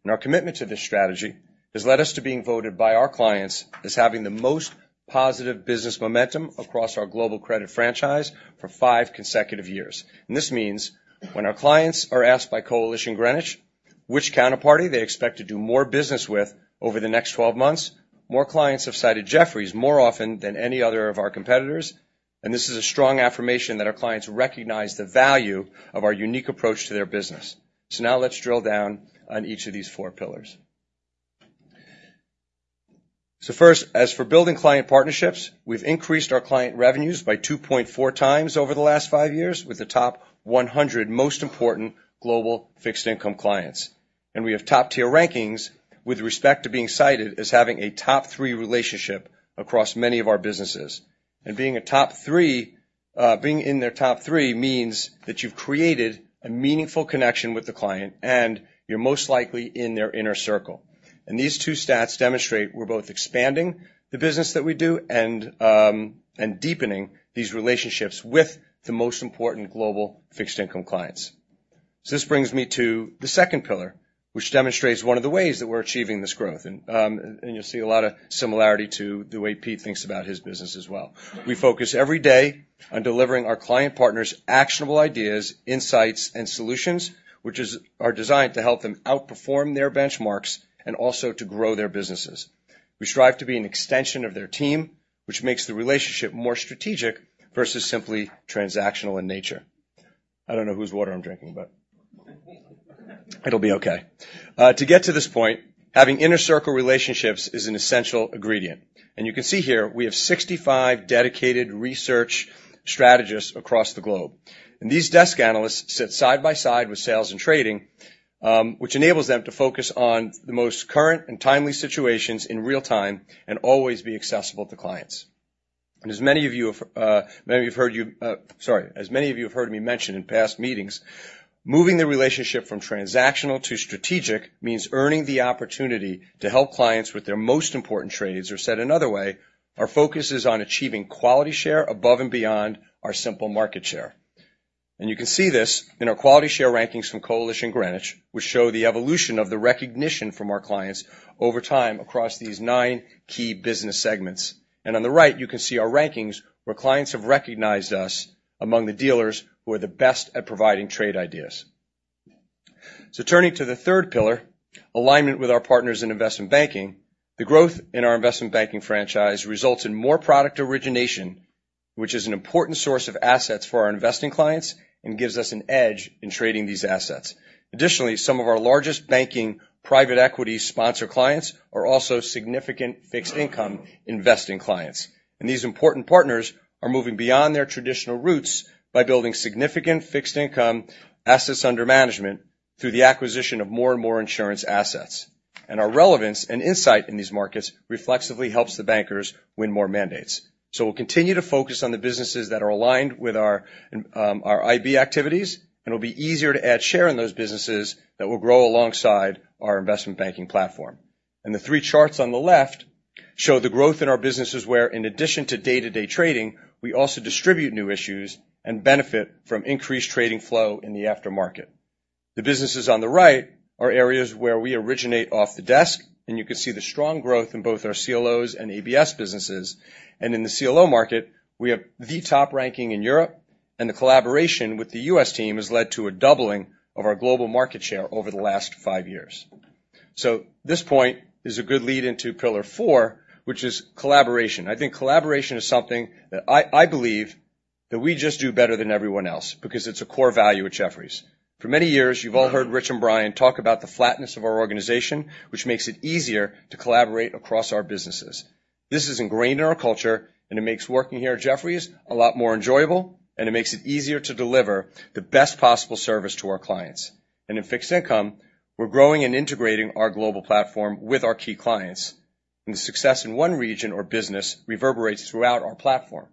And our commitment to this strategy has led us to being voted by our clients as having the most positive business momentum across our global credit franchise for five consecutive years. And this means when our clients are asked by Coalition Greenwich which counterparty they expect to do more business with over the next 12 months, more clients have cited Jefferies more often than any other of our competitors, and this is a strong affirmation that our clients recognize the value of our unique approach to their business. So now let's drill down on each of these four pillars. First, as for building client partnerships, we've increased our client revenues by 2.4x over the last five years with the top 100 most important global fixed income clients. We have top-tier rankings with respect to being cited as having a top-three relationship across many of our businesses. Being a top three, being in their top three means that you've created a meaningful connection with the client, and you're most likely in their inner circle. These two stats demonstrate we're both expanding the business that we do and you'll see a lot of similarity to the way Pete thinks about his business as well. We focus every day on delivering our client partners actionable ideas, insights, and solutions, which are designed to help them outperform their benchmarks and also to grow their businesses. We strive to be an extension of their team, which makes the relationship more strategic versus simply transactional in nature. I don't know whose water I'm drinking, but it'll be okay. To get to this point, having inner circle relationships is an essential ingredient, and you can see here, we have 65 dedicated research strategists across the globe. These desk analysts sit side by side with sales and trading, which enables them to focus on the most current and timely situations in real time and always be accessible to clients. And as many of you have heard me mention in past meetings, moving the relationship from transactional to strategic means earning the opportunity to help clients with their most important trades, or said another way, our focus is on achieving quality share above and beyond our simple market share. And you can see this in our quality share rankings from Coalition Greenwich, which show the evolution of the recognition from our clients over time across these nine key business segments. And on the right, you can see our rankings, where clients have recognized us among the dealers who are the best at providing trade ideas. So turning to the third pillar, alignment with our partners in investment banking. The growth in our investment banking franchise results in more product origination, which is an important source of assets for our investing clients and gives us an edge in trading these assets. Additionally, some of our largest banking private equity sponsor clients are also significant fixed income investing clients. And these important partners are moving beyond their traditional roots by building significant fixed income assets under management through the acquisition of more and more insurance assets. And our relevance and insight in these markets reflexively helps the bankers win more mandates. So we'll continue to focus on the businesses that are aligned with our IB activities, and it'll be easier to add share in those businesses that will grow alongside our investment banking platform. And the three charts on the left show the growth in our businesses where, in addition to day-to-day trading, we also distribute new issues and benefit from increased trading flow in the aftermarket. The businesses on the right are areas where we originate off the desk, and you can see the strong growth in both our CLOs and ABS businesses. And in the CLO market, we have the top ranking in Europe, and the collaboration with the U.S. team has led to a doubling of our global market share over the last five years. So this point is a good lead into pillar four, which is collaboration. I think collaboration is something that I, I believe that we just do better than everyone else because it's a core value at Jefferies. For many years, you've all heard Rich and Brian talk about the flatness of our organization, which makes it easier to collaborate across our businesses. This is ingrained in our culture, and it makes working here at Jefferies a lot more enjoyable, and it makes it easier to deliver the best possible service to our clients. In fixed income, we're growing and integrating our global platform with our key clients, and the success in one region or business reverberates throughout our platform.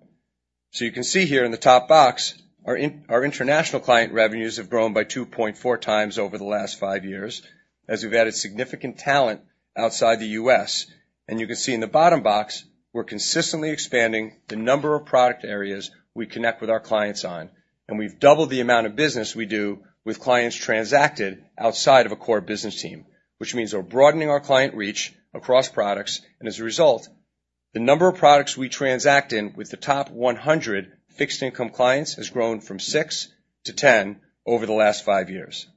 You can see here in the top box, our international client revenues have grown by 2.4x over the last five years, as we've added significant talent outside the U.S. You can see in the bottom box, we're consistently expanding the number of product areas we connect with our clients on, and we've doubled the amount of business we do with clients transacted outside of a core business team, which means we're broadening our client reach across products, and as a result. The number of products we transact in with the top 100 fixed income clients has grown from 6-10 over the last five years.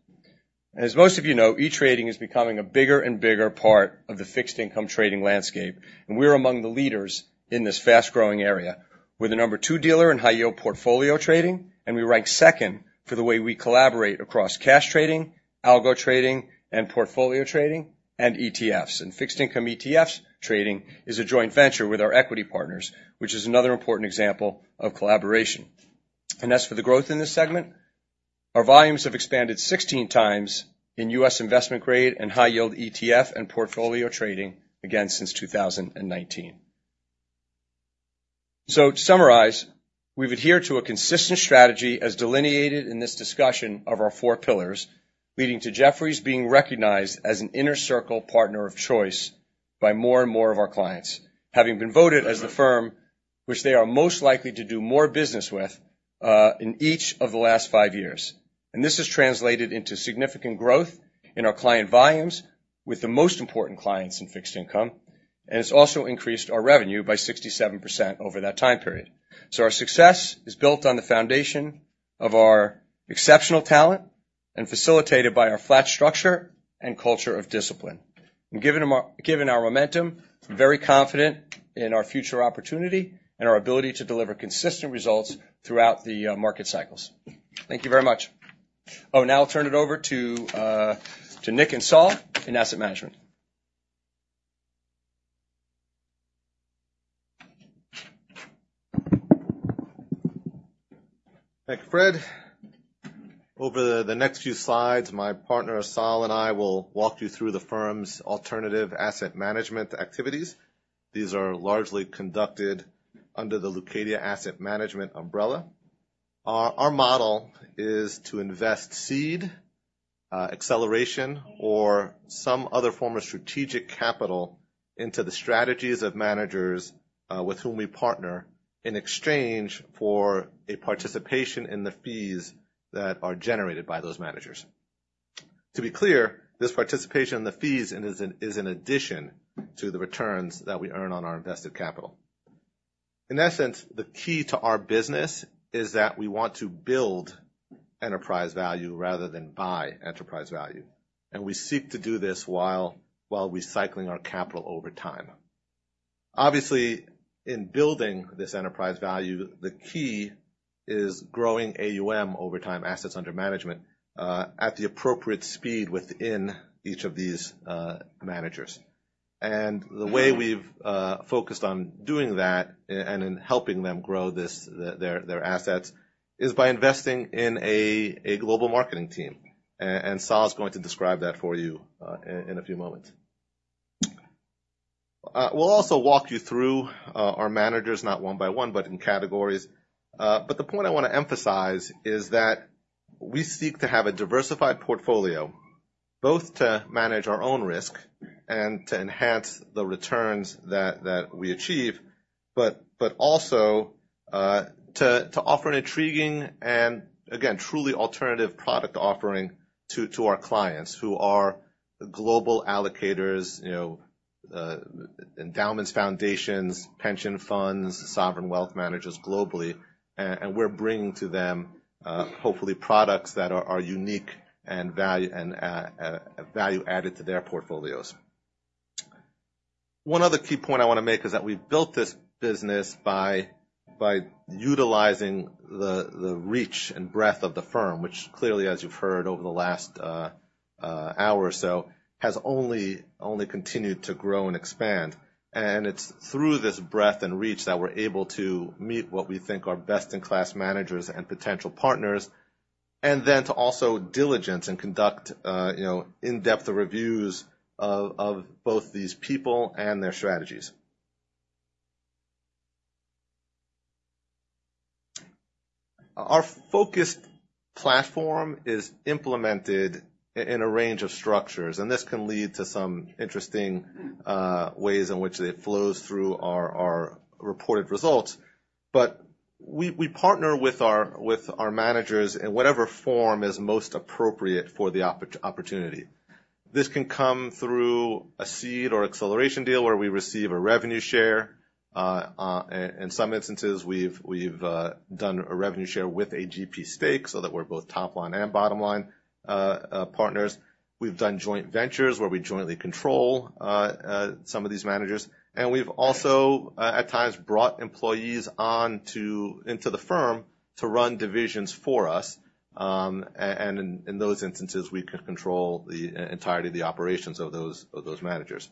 As most of you know, e-trading is becoming a bigger and bigger part of the fixed income trading landscape, and we're among the leaders in this fast-growing area. We're the number two dealer in high-yield portfolio trading, and we rank second for the way we collaborate across cash trading, algo trading, and portfolio trading, and ETFs. Fixed income ETFs trading is a joint venture with our equity partners, which is another important example of collaboration. As for the growth in this segment, our volumes have expanded 16x in U.S. investment grade and high-yield ETF and portfolio trading, again, since 2019. To summarize, we've adhered to a consistent strategy as delineated in this discussion of our four pillars, leading to Jefferies being recognized as an inner circle partner of choice by more and more of our clients, having been voted as the firm which they are most likely to do more business with in each of the last 5 years. This has translated into significant growth in our client volumes with the most important clients in fixed income, and it's also increased our revenue by 67% over that time period. Our success is built on the foundation of our exceptional talent and facilitated by our flat structure and culture of discipline. Given our momentum, I'm very confident in our future opportunity and our ability to deliver consistent results throughout the market cycles. Thank you very much. Oh, now I'll turn it over to Nick and Sol in asset management. Thank you, Fred. Over the next few slides, my partner, Sol, and I will walk you through the firm's alternative asset management activities. These are largely conducted under the Leucadia Asset Management umbrella. Our model is to invest seed, acceleration, or some other form of strategic capital into the strategies of managers with whom we partner, in exchange for a participation in the fees that are generated by those managers. To be clear, this participation in the fees is an addition to the returns that we earn on our invested capital. In essence, the key to our business is that we want to build enterprise value rather than buy enterprise value, and we seek to do this while recycling our capital over time. Obviously, in building this enterprise value, the key is growing AUM over time, assets under management, at the appropriate speed within each of these managers. And the way we've focused on doing that and in helping them grow their assets is by investing in a global marketing team. And Sol is going to describe that for you in a few moments. We'll also walk you through our managers, not one by one, but in categories. But the point I want to emphasize is that we seek to have a diversified portfolio, both to manage our own risk and to enhance the returns that we achieve, but also to offer an intriguing and, again, truly alternative product offering to our clients, who are global allocators, you know, endowments, foundations, pension funds, sovereign wealth managers globally. And we're bringing to them, hopefully, products that are unique and value added to their portfolios. One other key point I want to make is that we've built this business by utilizing the reach and breadth of the firm, which clearly, as you've heard over the last hour or so, has only continued to grow and expand. And it's through this breadth and reach that we're able to meet what we think are best-in-class managers and potential partners, and then to also diligence and conduct, you know, in-depth reviews of both these people and their strategies. Our focused platform is implemented in a range of structures, and this can lead to some interesting ways in which it flows through our reported results. But we partner with our managers in whatever form is most appropriate for the opportunity. This can come through a seed or acceleration deal where we receive a revenue share. In some instances, we've done a revenue share with a GP stake so that we're both top line and bottom line partners. We've done joint ventures where we jointly control some of these managers, and we've also at times brought employees on to into the firm to run divisions for us. And in those instances, we can control the entirety of the operations of those managers.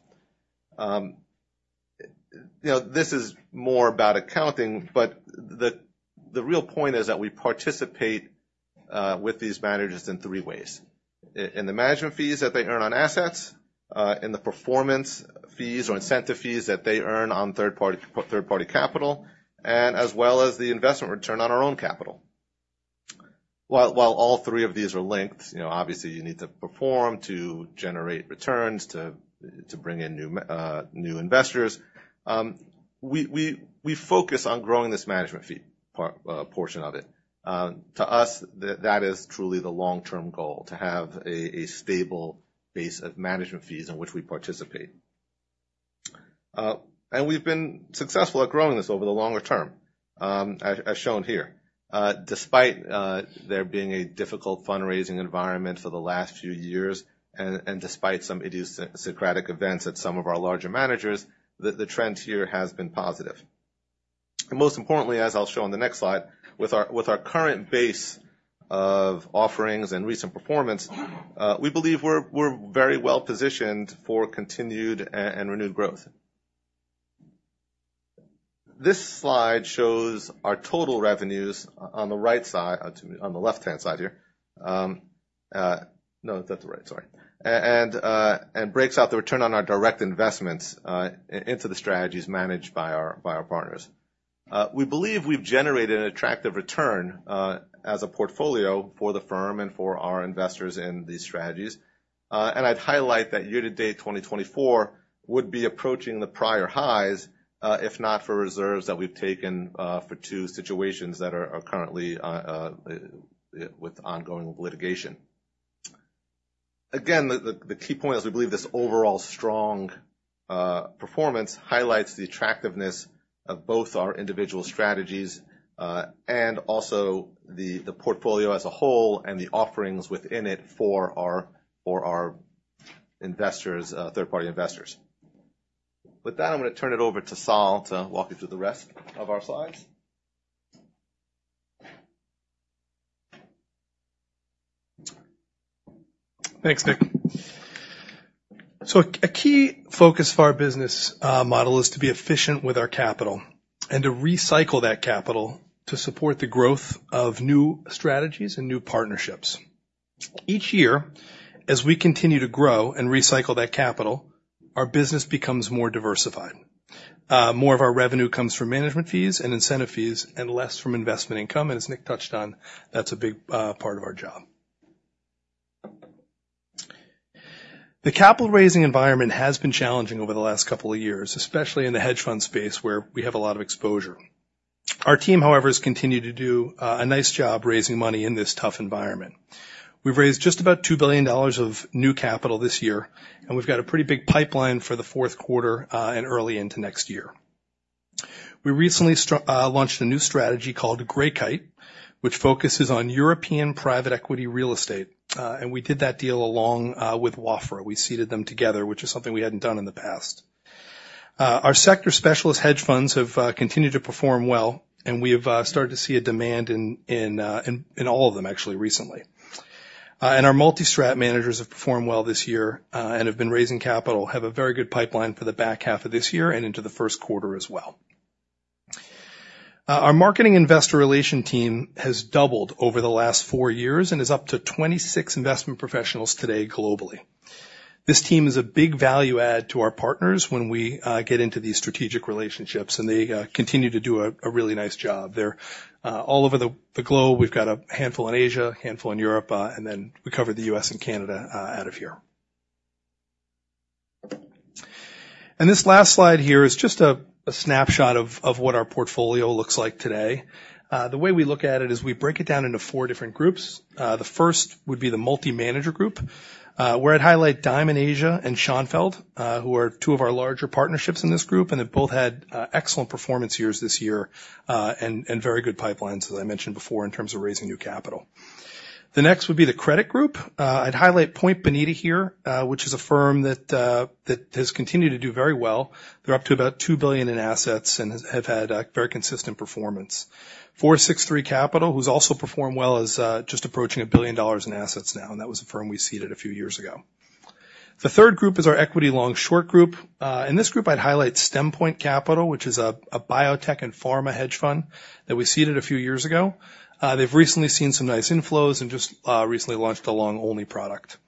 You know, this is more about accounting, but the real point is that we participate with these managers in three ways: In the management fees that they earn on assets, in the performance fees or incentive fees that they earn on third-party capital, and as well as the investment return on our own capital. While all three of these are linked, you know, obviously, you need to perform to generate returns to bring in new investors, we focus on growing this management fee. Part, portion of it. To us, that is truly the long-term goal, to have a stable base of management fees in which we participate. We've been successful at growing this over the longer term, as shown here. Despite there being a difficult fundraising environment for the last few years, and despite some idiosyncratic events at some of our larger managers, the trend here has been positive. Most importantly, as I'll show on the next slide, with our current base of offerings and recent performance, we believe we're very well positioned for continued and renewed growth. This slide shows our total revenues on the right side, on the left-hand side here. No, that's the right, sorry. And breaks out the return on our direct investments into the strategies managed by our partners. We believe we've generated an attractive return as a portfolio for the firm and for our investors in these strategies. And I'd highlight that year-to-date, 2024 would be approaching the prior highs if not for reserves that we've taken for two situations that are currently with ongoing litigation. Again, the key point is we believe this overall strong performance highlights the attractiveness of both our individual strategies and also the portfolio as a whole and the offerings within it for our investors, third-party investors. With that, I'm gonna turn it over to Sol to walk you through the rest of our slides. Thanks, Nick. So a key focus for our business model is to be efficient with our capital and to recycle that capital to support the growth of new strategies and new partnerships. Each year, as we continue to grow and recycle that capital, our business becomes more diversified. More of our revenue comes from management fees and incentive fees, and less from investment income, and as Nick touched on, that's a big part of our job. The capital raising environment has been challenging over the last couple of years, especially in the hedge fund space, where we have a lot of exposure. Our team, however, has continued to do a nice job raising money in this tough environment. We've raised just about $2 billion of new capital this year, and we've got a pretty big pipeline for the fourth quarter, and early into next year. We recently launched a new strategy called Greykite, which focuses on European private equity real estate, and we did that deal along with Wafra. We seeded them together, which is something we hadn't done in the past. Our sector specialist hedge funds have continued to perform well, and we have started to see a demand in all of them actually recently. Our multi-strat managers have performed well this year, and have been raising capital, have a very good pipeline for the back half of this year and into the first quarter as well. Our marketing investor relation team has doubled over the last four years and is up to 26 investment professionals today globally. This team is a big value add to our partners when we get into these strategic relationships, and they continue to do a really nice job. They're all over the globe. We've got a handful in Asia, a handful in Europe, and then we cover the U.S. and Canada out of here. This last slide here is just a snapshot of what our portfolio looks like today. The way we look at it is we break it down into four different groups. The first would be the multi-manager group, where I'd highlight Dymon Asia and Schonfeld, who are two of our larger partnerships in this group and have both had excellent performance years this year, and very good pipelines, as I mentioned before, in terms of raising new capital. The next would be the credit group. I'd highlight Point Bonita here, which is a firm that has continued to do very well. They're up to about $2 billion in assets and have had a very consistent performance. 463 Capital, who's also performed well, is just approaching $1 billion in assets now, and that was a firm we seeded a few years ago. The third group is our equity long-short group. In this group, I'd highlight StemPoint Capital, which is a biotech and pharma hedge fund that we seeded a few years ago. They've recently seen some nice inflows and just recently launched a long-only product.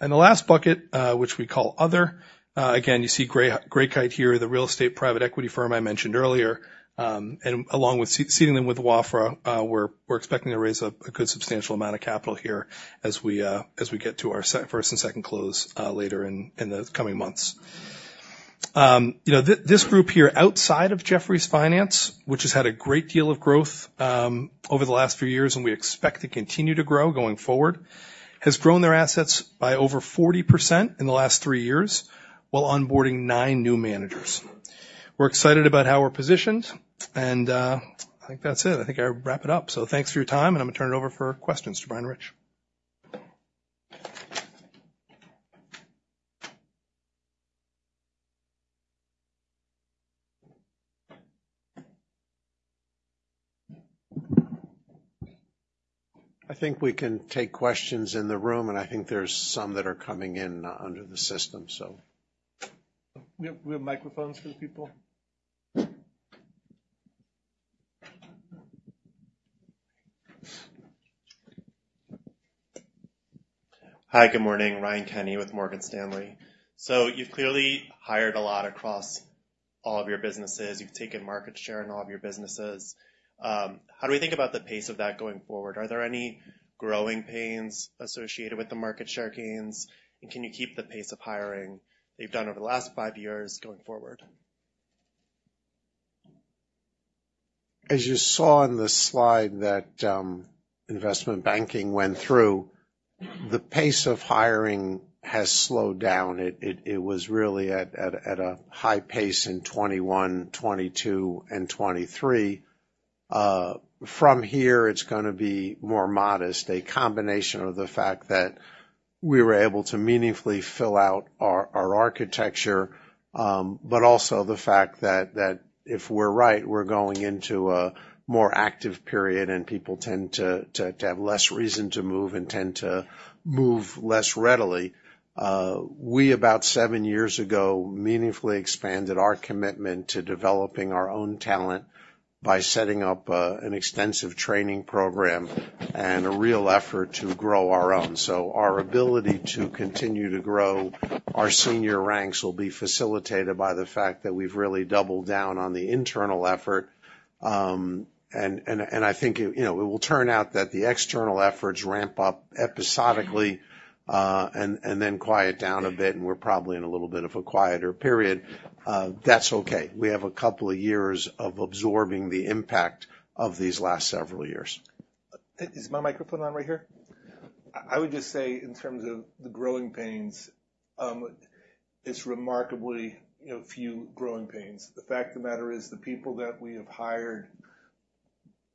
And the last bucket, which we call Other, again, you see Greykite here, the real estate private equity firm I mentioned earlier. And along with seeding them with Wafra, we're expecting to raise a good substantial amount of capital here as we get to our first and second close later in the coming months. You know, this group here, outside of Jefferies Finance, which has had a great deal of growth over the last few years, and we expect to continue to grow going forward, has grown their assets by over 40% in the last three years, while onboarding nine new managers. We're excited about how we're positioned, and I think that's it. I think I'll wrap it up. So thanks for your time, and I'm gonna turn it over for questions to Brian, Rich. I think we can take questions in the room, and I think there's some that are coming in under the system, so. We have microphones for the people? Hi, good morning, Ryan Kenny with Morgan Stanley. So you've clearly hired a lot across all of your businesses. You've taken market share in all of your businesses. How do we think about the pace of that going forward? Are there any growing pains associated with the market share gains, and can you keep the pace of hiring that you've done over the last five years going forward? As you saw in the slide that investment banking went through, the pace of hiring has slowed down. It was really at a high pace in 2021, 2022 and 2023. From here, it's gonna be more modest, a combination of the fact that we were able to meaningfully fill out our architecture, but also the fact that if we're right, we're going into a more active period, and people tend to have less reason to move and tend to move less readily. We about 7 years ago meaningfully expanded our commitment to developing our own talent by setting up an extensive training program and a real effort to grow our own. So our ability to continue to grow our senior ranks will be facilitated by the fact that we've really doubled down on the internal effort. I think, you know, it will turn out that the external efforts ramp up episodically, and then quiet down a bit, and we're probably in a little bit of a quieter period. That's okay. We have a couple of years of absorbing the impact of these last several years. Is my microphone on right here? I would just say, in terms of the growing pains, it's remarkably, you know, few growing pains. The fact of the matter is, the people that we have hired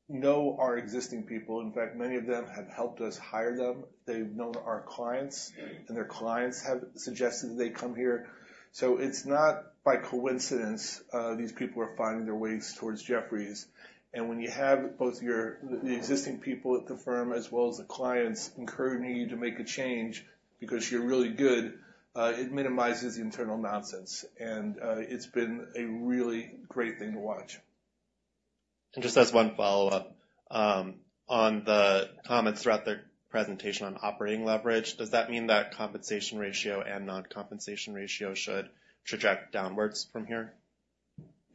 know our existing people. In fact, many of them have helped us hire them. They've known our clients, and their clients have suggested that they come here. So it's not by coincidence, these people are finding their ways towards Jefferies. And when you have both the existing people at the firm, as well as the clients, encouraging you to make a change because you're really good, it minimizes the internal nonsense, and it's been a really great thing to watch. Just as one follow-up, on the comments throughout the presentation on operating leverage, does that mean that compensation ratio and non-compensation ratio should track downwards from here?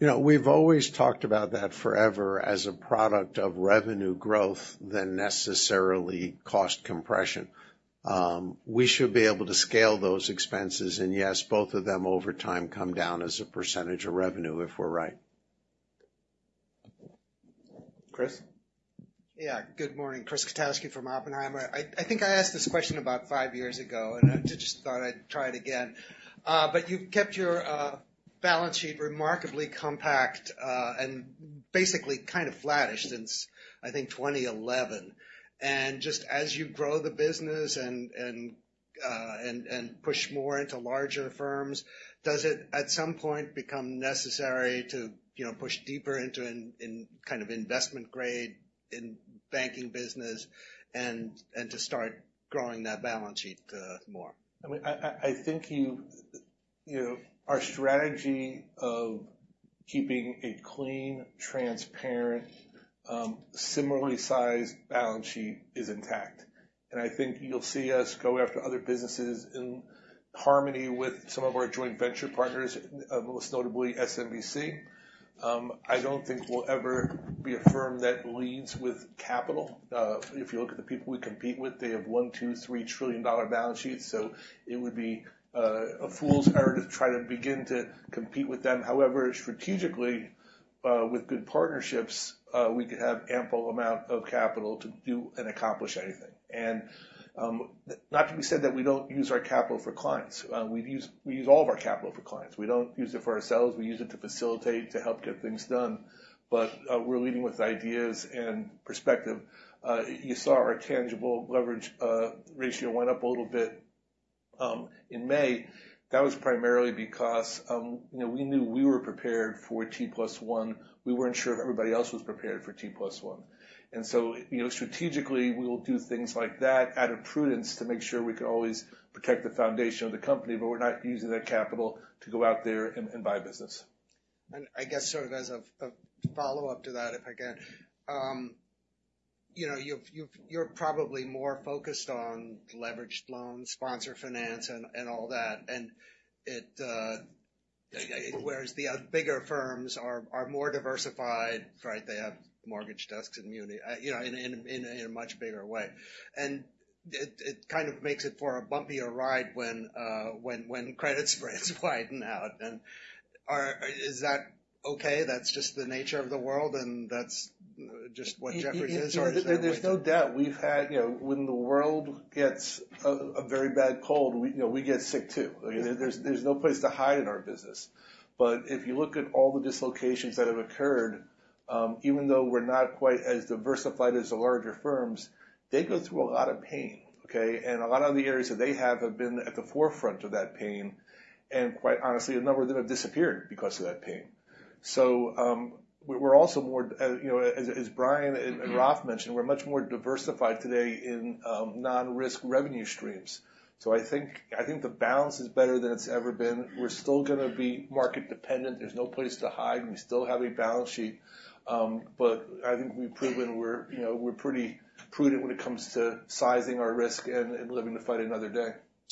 You know, we've always talked about that forever as a product of revenue growth than necessarily cost compression. We should be able to scale those expenses, and yes, both of them, over time, come down as a percentage of revenue, if we're right. Chris? Yeah. Good morning. Chris Kotowski from Oppenheimer. I think I asked this question about five years ago, and I just thought I'd try it again. But you've kept your balance sheet remarkably compact, and basically kind of flattish since, I think, twenty eleven. Just as you grow the business and push more into larger firms, does it at some point become necessary to, you know, push deeper into a kind of investment-grade investment banking business and to start growing that balance sheet more? I mean, I think you know, our strategy of keeping a clean, transparent, similarly sized balance sheet is intact, and I think you'll see us go after other businesses in harmony with some of our joint venture partners, most notably SMBC. I don't think we'll ever be a firm that leads with capital. If you look at the people we compete with, they have one, two, three trillion-dollar balance sheets, so it would be a fool's error to try to begin to compete with them. However, strategically, with good partnerships, we could have ample amount of capital to do and accomplish anything. And not to be said that we don't use our capital for clients. We've used we use all of our capital for clients. We don't use it for ourselves. We use it to facilitate, to help get things done. But, we're leading with ideas and perspective. You saw our tangible leverage ratio went up a little bit in May. That was primarily because, you know, we knew we were prepared for T+1. We weren't sure if everybody else was prepared for T+1. And so, you know, strategically, we will do things like that out of prudence, to make sure we can always protect the foundation of the company, but we're not using that capital to go out there and buy business. And I guess sort of as a follow-up to that, if I can. You know, you've you're probably more focused on leveraged loans, sponsor finance, and all that, and it whereas the bigger firms are more diversified, right? They have mortgage desks in muni, you know, in a much bigger way. And it kind of makes it for a bumpier ride when credit spreads widen out. And is that okay? That's just the nature of the world, and that's just what Jefferies is, or is there! There's no doubt we've had... You know, when the world gets a very bad cold, we, you know, we get sick, too. I mean, there's no place to hide in our business. But if you look at all the dislocations that have occurred, even though we're not quite as diversified as the larger firms, they go through a lot of pain, okay? And a lot of the areas that they have been at the forefront of that pain, and quite honestly, a number of them have disappeared because of that pain. So, we're also more, you know, as Brian and Raph mentioned, we're much more diversified today in non-risk revenue streams. So I think the balance is better than it's ever been. We're still gonna be market dependent. There's no place to hide, and we still have a balance sheet. But I think we've proven we're, you know, we're pretty prudent when it comes to sizing our risk and living to fight another day.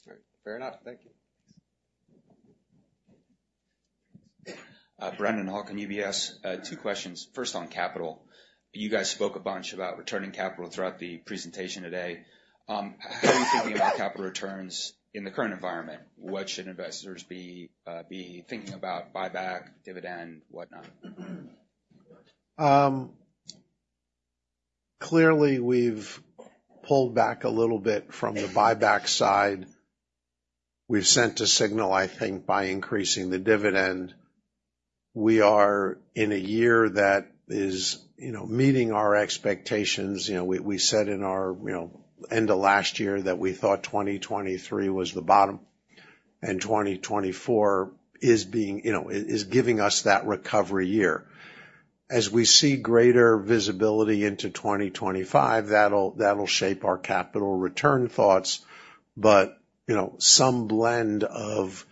Great. Fair enough. Thank you. Thanks. Brennan Hawken, UBS. Two questions. First, on capital. You guys spoke a bunch about returning capital throughout the presentation today. How are you thinking about capital returns in the current environment? What should investors be thinking about, buyback, dividend, whatnot? Clearly, we've pulled back a little bit from the buyback side. We've sent a signal, I think, by increasing the dividend. We are in a year that is, you know, meeting our expectations. You know, we said in our, you know, end of last year that we thought 2023 was the bottom, and 2024 is being, you know, giving us that recovery year. As we see greater visibility into 2025, that'll shape our capital return thoughts. But, you know, some blend of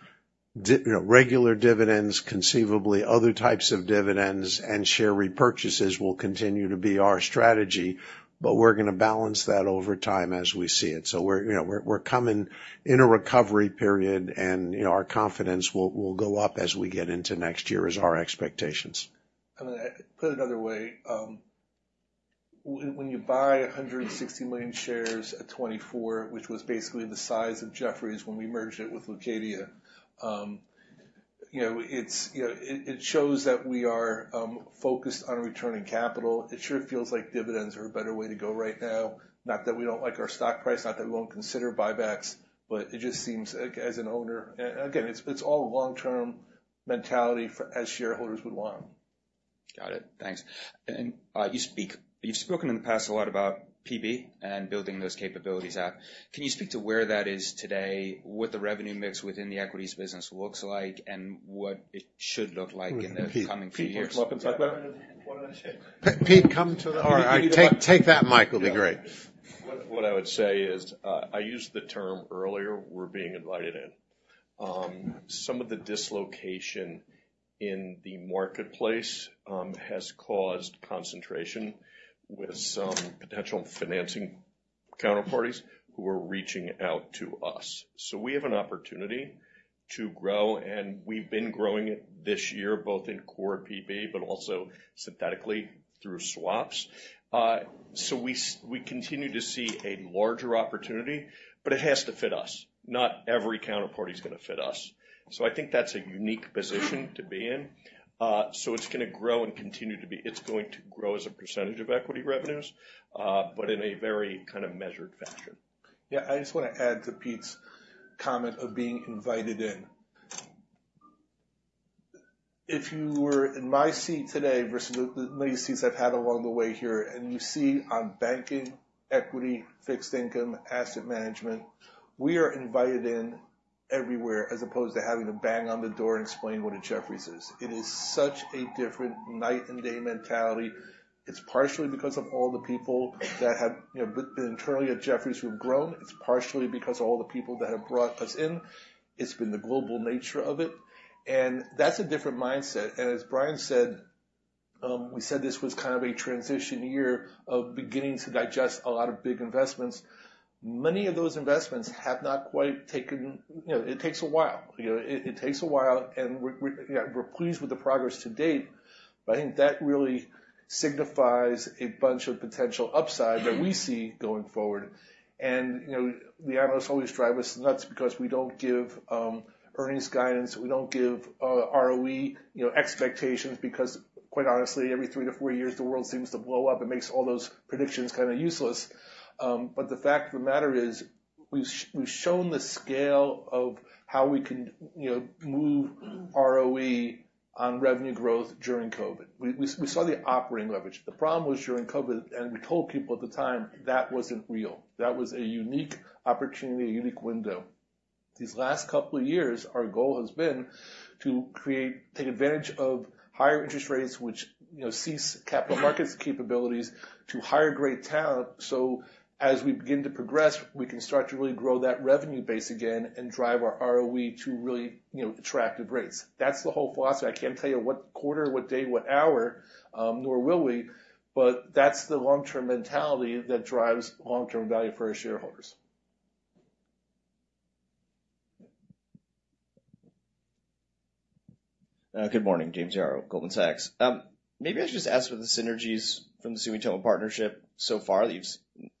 you know, regular dividends, conceivably other types of dividends, and share repurchases will continue to be our strategy, but we're gonna balance that over time as we see it. So we're, you know, coming in a recovery period, and, you know, our confidence will go up as we get into next year, is our expectations. I mean, put it another way, when you buy 160 million shares at $24, which was basically the size of Jefferies when we merged it with Leucadia, you know, it shows that we are focused on returning capital. It sure feels like dividends are a better way to go right now, not that we don't like our stock price, not that we won't consider buybacks, but it just seems, like as an owner, again, it's all long-term mentality for as shareholders would want. Got it. Thanks. And, you've spoken in the past a lot about PB and building those capabilities out. Can you speak to where that is today, what the revenue mix within the equities business looks like, and what it should look like in the coming few years? Pete, come to the... All right. Take that mic, it'll be great. What I would say is, I used the term earlier, we're being invited in. Some of the dislocation in the marketplace has caused concentration with some potential financing counterparties who are reaching out to us. So we have an opportunity to grow, and we've been growing it this year, both in core PB, but also synthetically through swaps. So we continue to see a larger opportunity, but it has to fit us. Not every counterparty is gonna fit us. So I think that's a unique position to be in. So it's gonna grow and it's going to grow as a percentage of equity revenues, but in a very kind of measured fashion. Yeah, I just want to add to Pete's comment of being invited in. If you were in my seat today versus the many seats I've had along the way here, and you see on banking, equity, fixed income, asset management, we are invited in everywhere, as opposed to having to bang on the door and explain what a Jefferies is. It is such a different night and day mentality. It's partially because of all the people that have, you know, been internally at Jefferies who've grown. It's partially because of all the people that have brought us in. It's been the global nature of it, and that's a different mindset. And as Brian said, we said this was kind of a transition year of beginning to digest a lot of big investments. Many of those investments have not quite taken. You know, it takes a while. You know, it takes a while, and we're pleased with the progress to date, but I think that really signifies a bunch of potential upside that we see going forward. You know, the analysts always drive us nuts because we don't give earnings guidance, we don't give ROE expectations, because, quite honestly, every three to four years, the world seems to blow up. It makes all those predictions kind of useless. But the fact of the matter is, we've shown the scale of how we can move ROE on revenue growth during COVID. We saw the operating leverage. The problem was during COVID, and we told people at the time, that wasn't real. That was a unique opportunity, a unique window. These last couple of years, our goal has been to take advantage of higher interest rates, which, you know, leverage capital markets capabilities to hire great talent. So as we begin to progress, we can start to really grow that revenue base again and drive our ROE to really, you know, attractive rates. That's the whole philosophy. I can't tell you what quarter, what day, what hour, nor will we, but that's the long-term mentality that drives long-term value for our shareholders. Good morning, James Yaro, Goldman Sachs. Maybe I should just ask what the synergies from the Sumitomo partnership so far that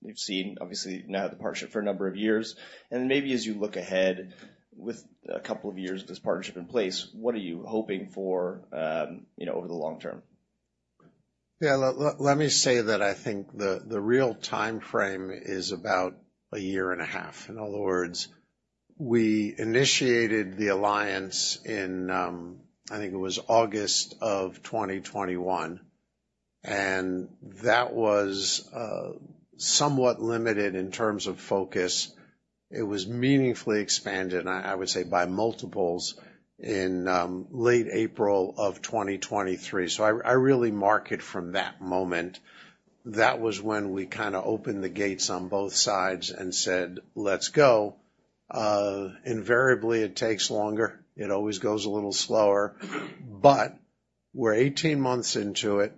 you've seen. Obviously, you've now had the partnership for a number of years, and maybe as you look ahead with a couple of years of this partnership in place, what are you hoping for, you know, over the long term? Yeah, let me say that I think the real timeframe is about a year and a half. In other words, we initiated the alliance in, I think it was August of 2021, and that was somewhat limited in terms of focus. It was meaningfully expanded, and I would say by multiples in late April of 2023. So I really mark it from that moment. That was when we kind of opened the gates on both sides and said, "Let's go." Invariably, it takes longer. It always goes a little slower, but we're 18 months into it.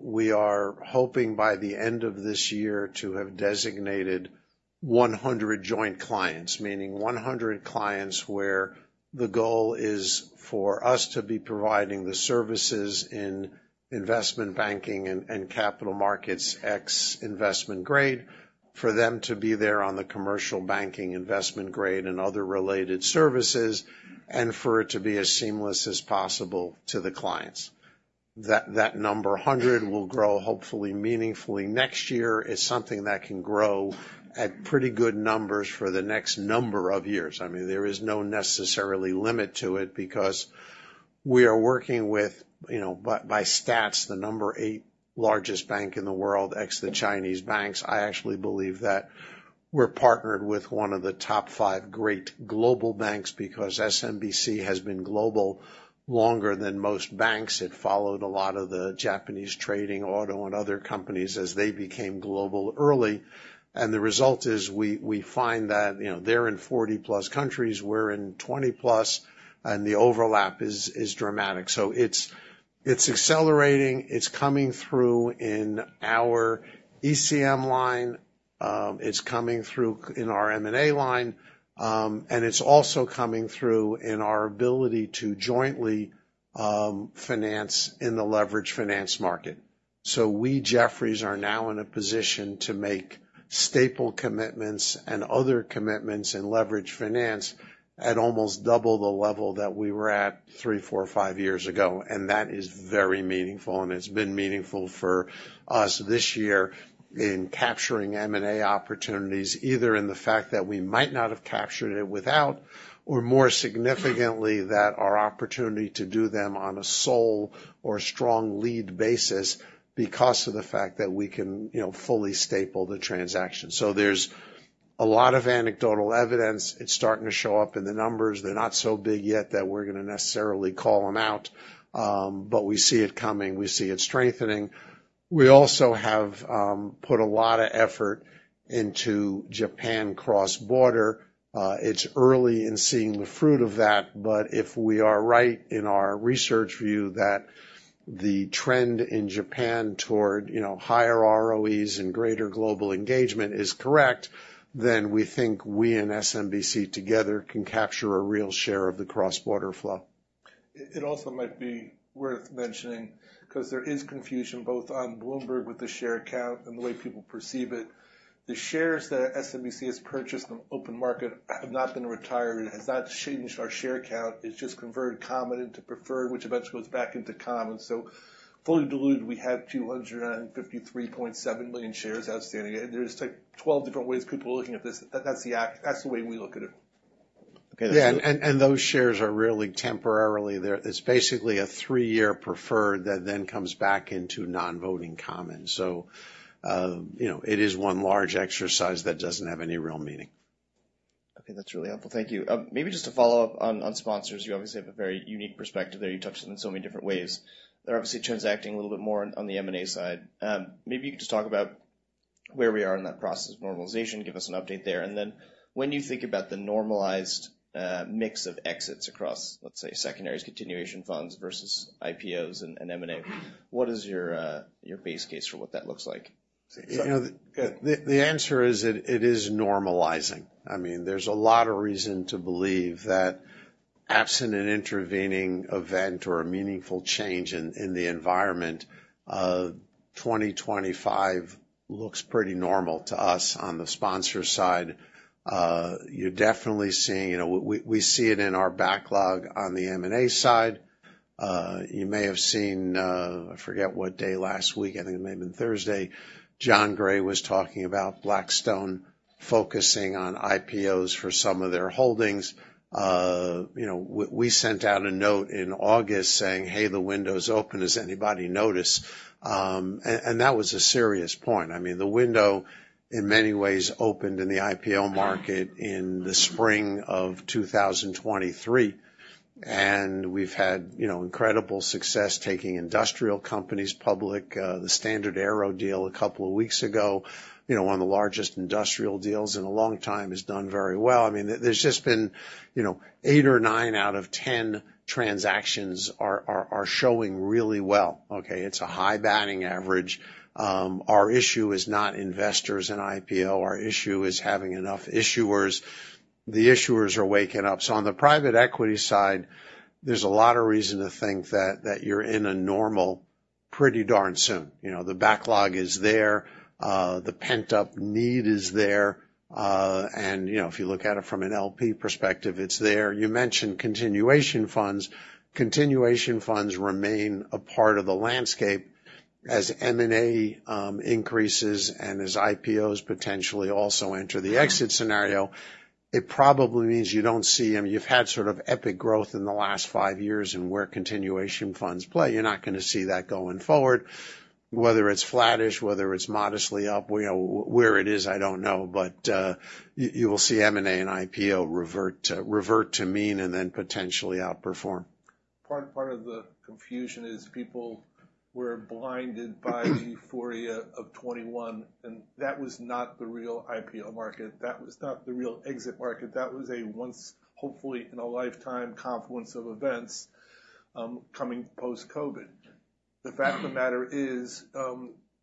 We are hoping by the end of this year to have designated. 100 joint clients, meaning one hundred clients, where the goal is for us to be providing the services in investment banking and, and capital markets, ex-investment grade, for them to be there on the commercial banking investment grade and other related services, and for it to be as seamless as possible to the clients. That, that number, hundred, will grow, hopefully meaningfully next year, is something that can grow at pretty good numbers for the next number of years. I mean, there is no necessary limit to it because we are working with, you know, by, by stats, the number eight largest bank in the world, ex the Chinese banks. I actually believe that we're partnered with one of the top five great global banks because SMBC has been global longer than most banks. It followed a lot of the Japanese trading, auto, and other companies as they became global early, and the result is we find that, you know, they're in forty-plus countries, we're in twenty-plus, and the overlap is dramatic, so it's accelerating. It's coming through in our ECM line, it's coming through in our M&A line, and it's also coming through in our ability to jointly finance in the leveraged finance market. So we, Jefferies, are now in a position to make staple commitments and other commitments in leveraged finance at almost double the level that we were at three, four, five years ago, and that is very meaningful, and it's been meaningful for us this year in capturing M&A opportunities, either in the fact that we might not have captured it without, or more significantly, that our opportunity to do them on a sole or strong lead basis because of the fact that we can, you know, fully staple the transaction. So there's a lot of anecdotal evidence. It's starting to show up in the numbers. They're not so big yet that we're gonna necessarily call them out, but we see it coming, we see it strengthening. We also have put a lot of effort into Japan cross-border. It's early in seeing the fruit of that, but if we are right in our research view that the trend in Japan toward, you know, higher ROEs and greater global engagement is correct, then we think we and SMBC together can capture a real share of the cross-border flow. It also might be worth mentioning, 'cause there is confusion both on Bloomberg with the share count and the way people perceive it. The shares that SMBC has purchased on open market have not been retired. It has not changed our share count. It's just converted common into preferred, which eventually goes back into common. So fully diluted, we have 253.7 million shares outstanding. There's, like, 12 different ways people are looking at this. That's the way we look at it. Yeah, and those shares are really temporarily there. It's basically a three-year preferred that then comes back into non-voting common. So, you know, it is one large exercise that doesn't have any real meaning. Okay, that's really helpful. Thank you. Maybe just to follow up on sponsors, you obviously have a very unique perspective there. You touched on it in so many different ways. They're obviously transacting a little bit more on the M&A side. Maybe you could just talk about where we are in that process of normalization, give us an update there. And then when you think about the normalized mix of exits across, let's say, secondaries, continuation funds versus IPOs and M&A, what is your base case for what that looks like? You know, the answer is it is normalizing. I mean, there's a lot of reason to believe that absent an intervening event or a meaningful change in the environment, 2025 looks pretty normal to us on the sponsor side. You're definitely seeing... You know, we see it in our backlog on the M&A side. You may have seen, I forget what day last week, I think it may have been Thursday, John Gray was talking about Blackstone focusing on IPOs for some of their holdings. You know, we sent out a note in August saying, "Hey, the window's open. Has anybody noticed?" And that was a serious point. I mean, the window, in many ways, opened in the IPO market in the spring of 2023, and we've had, you know, incredible success taking industrial companies public. The StandardAero deal a couple of weeks ago, you know, one of the largest industrial deals in a long time, has done very well. I mean, there's just been, you know, eight or nine out of 10 transactions are showing really well, okay? It's a high batting average. Our issue is not investors in IPO. Our issue is having enough issuers. The issuers are waking up. So on the private equity side, there's a lot of reason to think that you're in a normal pretty darn soon. You know, the backlog is there, the pent-up need is there, and, you know, if you look at it from an LP perspective, it's there. You mentioned continuation funds. Continuation funds remain a part of the landscape. As M&A increases and as IPOs potentially also enter the exit scenario, it probably means you don't see them. You've had sort of epic growth in the last five years in where continuation funds play. You're not gonna see that going forward, whether it's flattish, whether it's modestly up, you know, where it is, I don't know, but you will see M&A and IPO revert to mean and then potentially outperform. Part of the confusion is people were blinded by the euphoria of 2021, and that was not the real IPO market. That was not the real exit market. That was a once, hopefully, in a lifetime confluence of events, coming post-COVID. The fact of the matter is,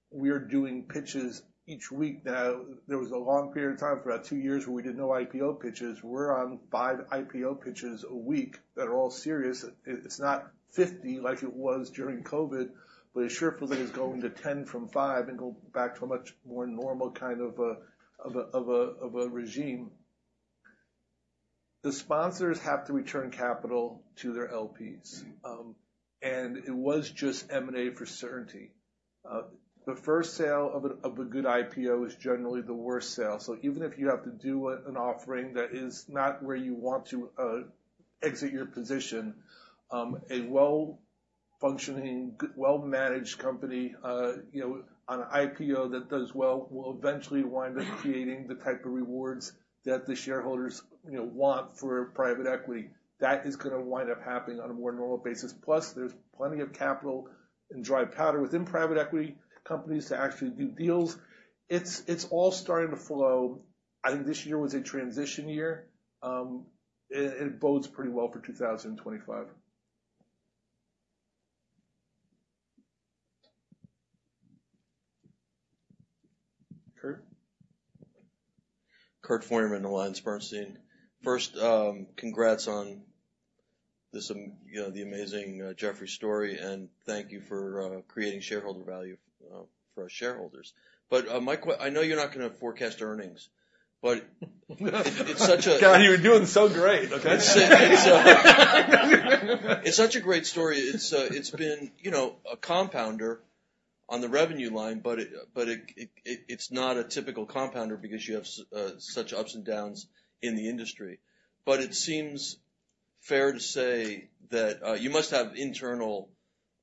we are doing pitches each week now. There was a long period of time, for about two years, where we did no IPO pitches. We're on five IPO pitches a week that are all serious. It's not 50 like it was during COVID, but it sure feels like it's going to 10 from five and go back to a much more normal kind of a regime. The sponsors have to return capital to their LPs, and it was just M&A for certainty. The first sale of a good IPO is generally the worst sale. So even if you have to do an offering that is not where you want to exit your position, a well-functioning, good, well-managed company, you know, on an IPO that does well, will eventually wind up creating the type of rewards that the shareholders, you know, want for private equity. That is gonna wind up happening on a more normal basis. Plus, there's plenty of capital and dry powder within private equity companies to actually do deals. It's all starting to flow. I think this year was a transition year. It bodes pretty well for 2025. Kurt? Kurt Feuerman, AllianceBernstein. First, congrats on this, you know, the amazing Jefferies story, and thank you for creating shareholder value for our shareholders. But, I know you're not gonna forecast earnings, but it's such a. God, you were doing so great! Okay. It's such a great story. It's, it's been, you know, a compounder on the revenue line, but it, it's not a typical compounder because you have such ups and downs in the industry, but it seems fair to say that, you must have internal,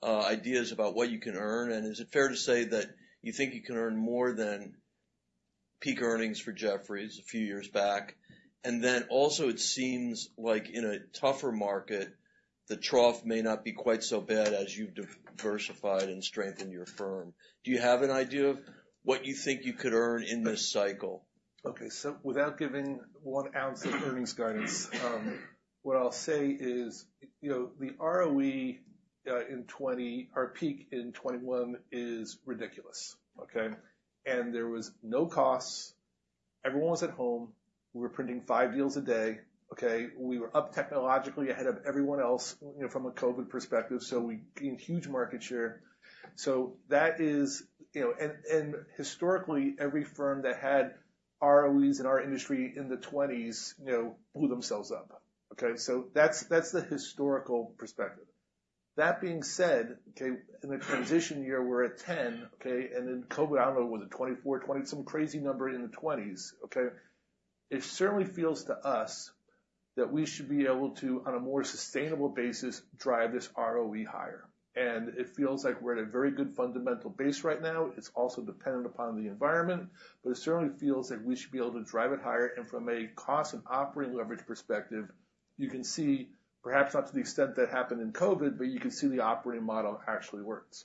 ideas about what you can earn, and is it fair to say that you think you can earn more than peak earnings for Jefferies a few years back, and then also, it seems like in a tougher market, the trough may not be quite so bad as you've diversified and strengthened your firm. Do you have an idea of what you think you could earn in this cycle? Okay, so without giving one ounce of earnings guidance, what I'll say is, you know, the ROE in 2020, our peak in 2021 is ridiculous, okay? And there was no costs. Everyone was at home. We were printing five deals a day, okay? We were up technologically ahead of everyone else, you know, from a COVID perspective, so we gained huge market share. So that is you know, and historically, every firm that had ROEs in our industry in the twenties, you know, blew themselves up, okay? So that's the historical perspective. That being said, okay, in the transition year, we're at 10, okay? And then COVID, I don't know, was it twenty-four, twenty... Some crazy number in the twenties, okay? It certainly feels to us that we should be able to, on a more sustainable basis, drive this ROE higher, and it feels like we're at a very good fundamental base right now. It's also dependent upon the environment, but it certainly feels like we should be able to drive it higher. And from a cost and operating leverage perspective, you can see, perhaps not to the extent that happened in COVID, but you can see the operating model actually works.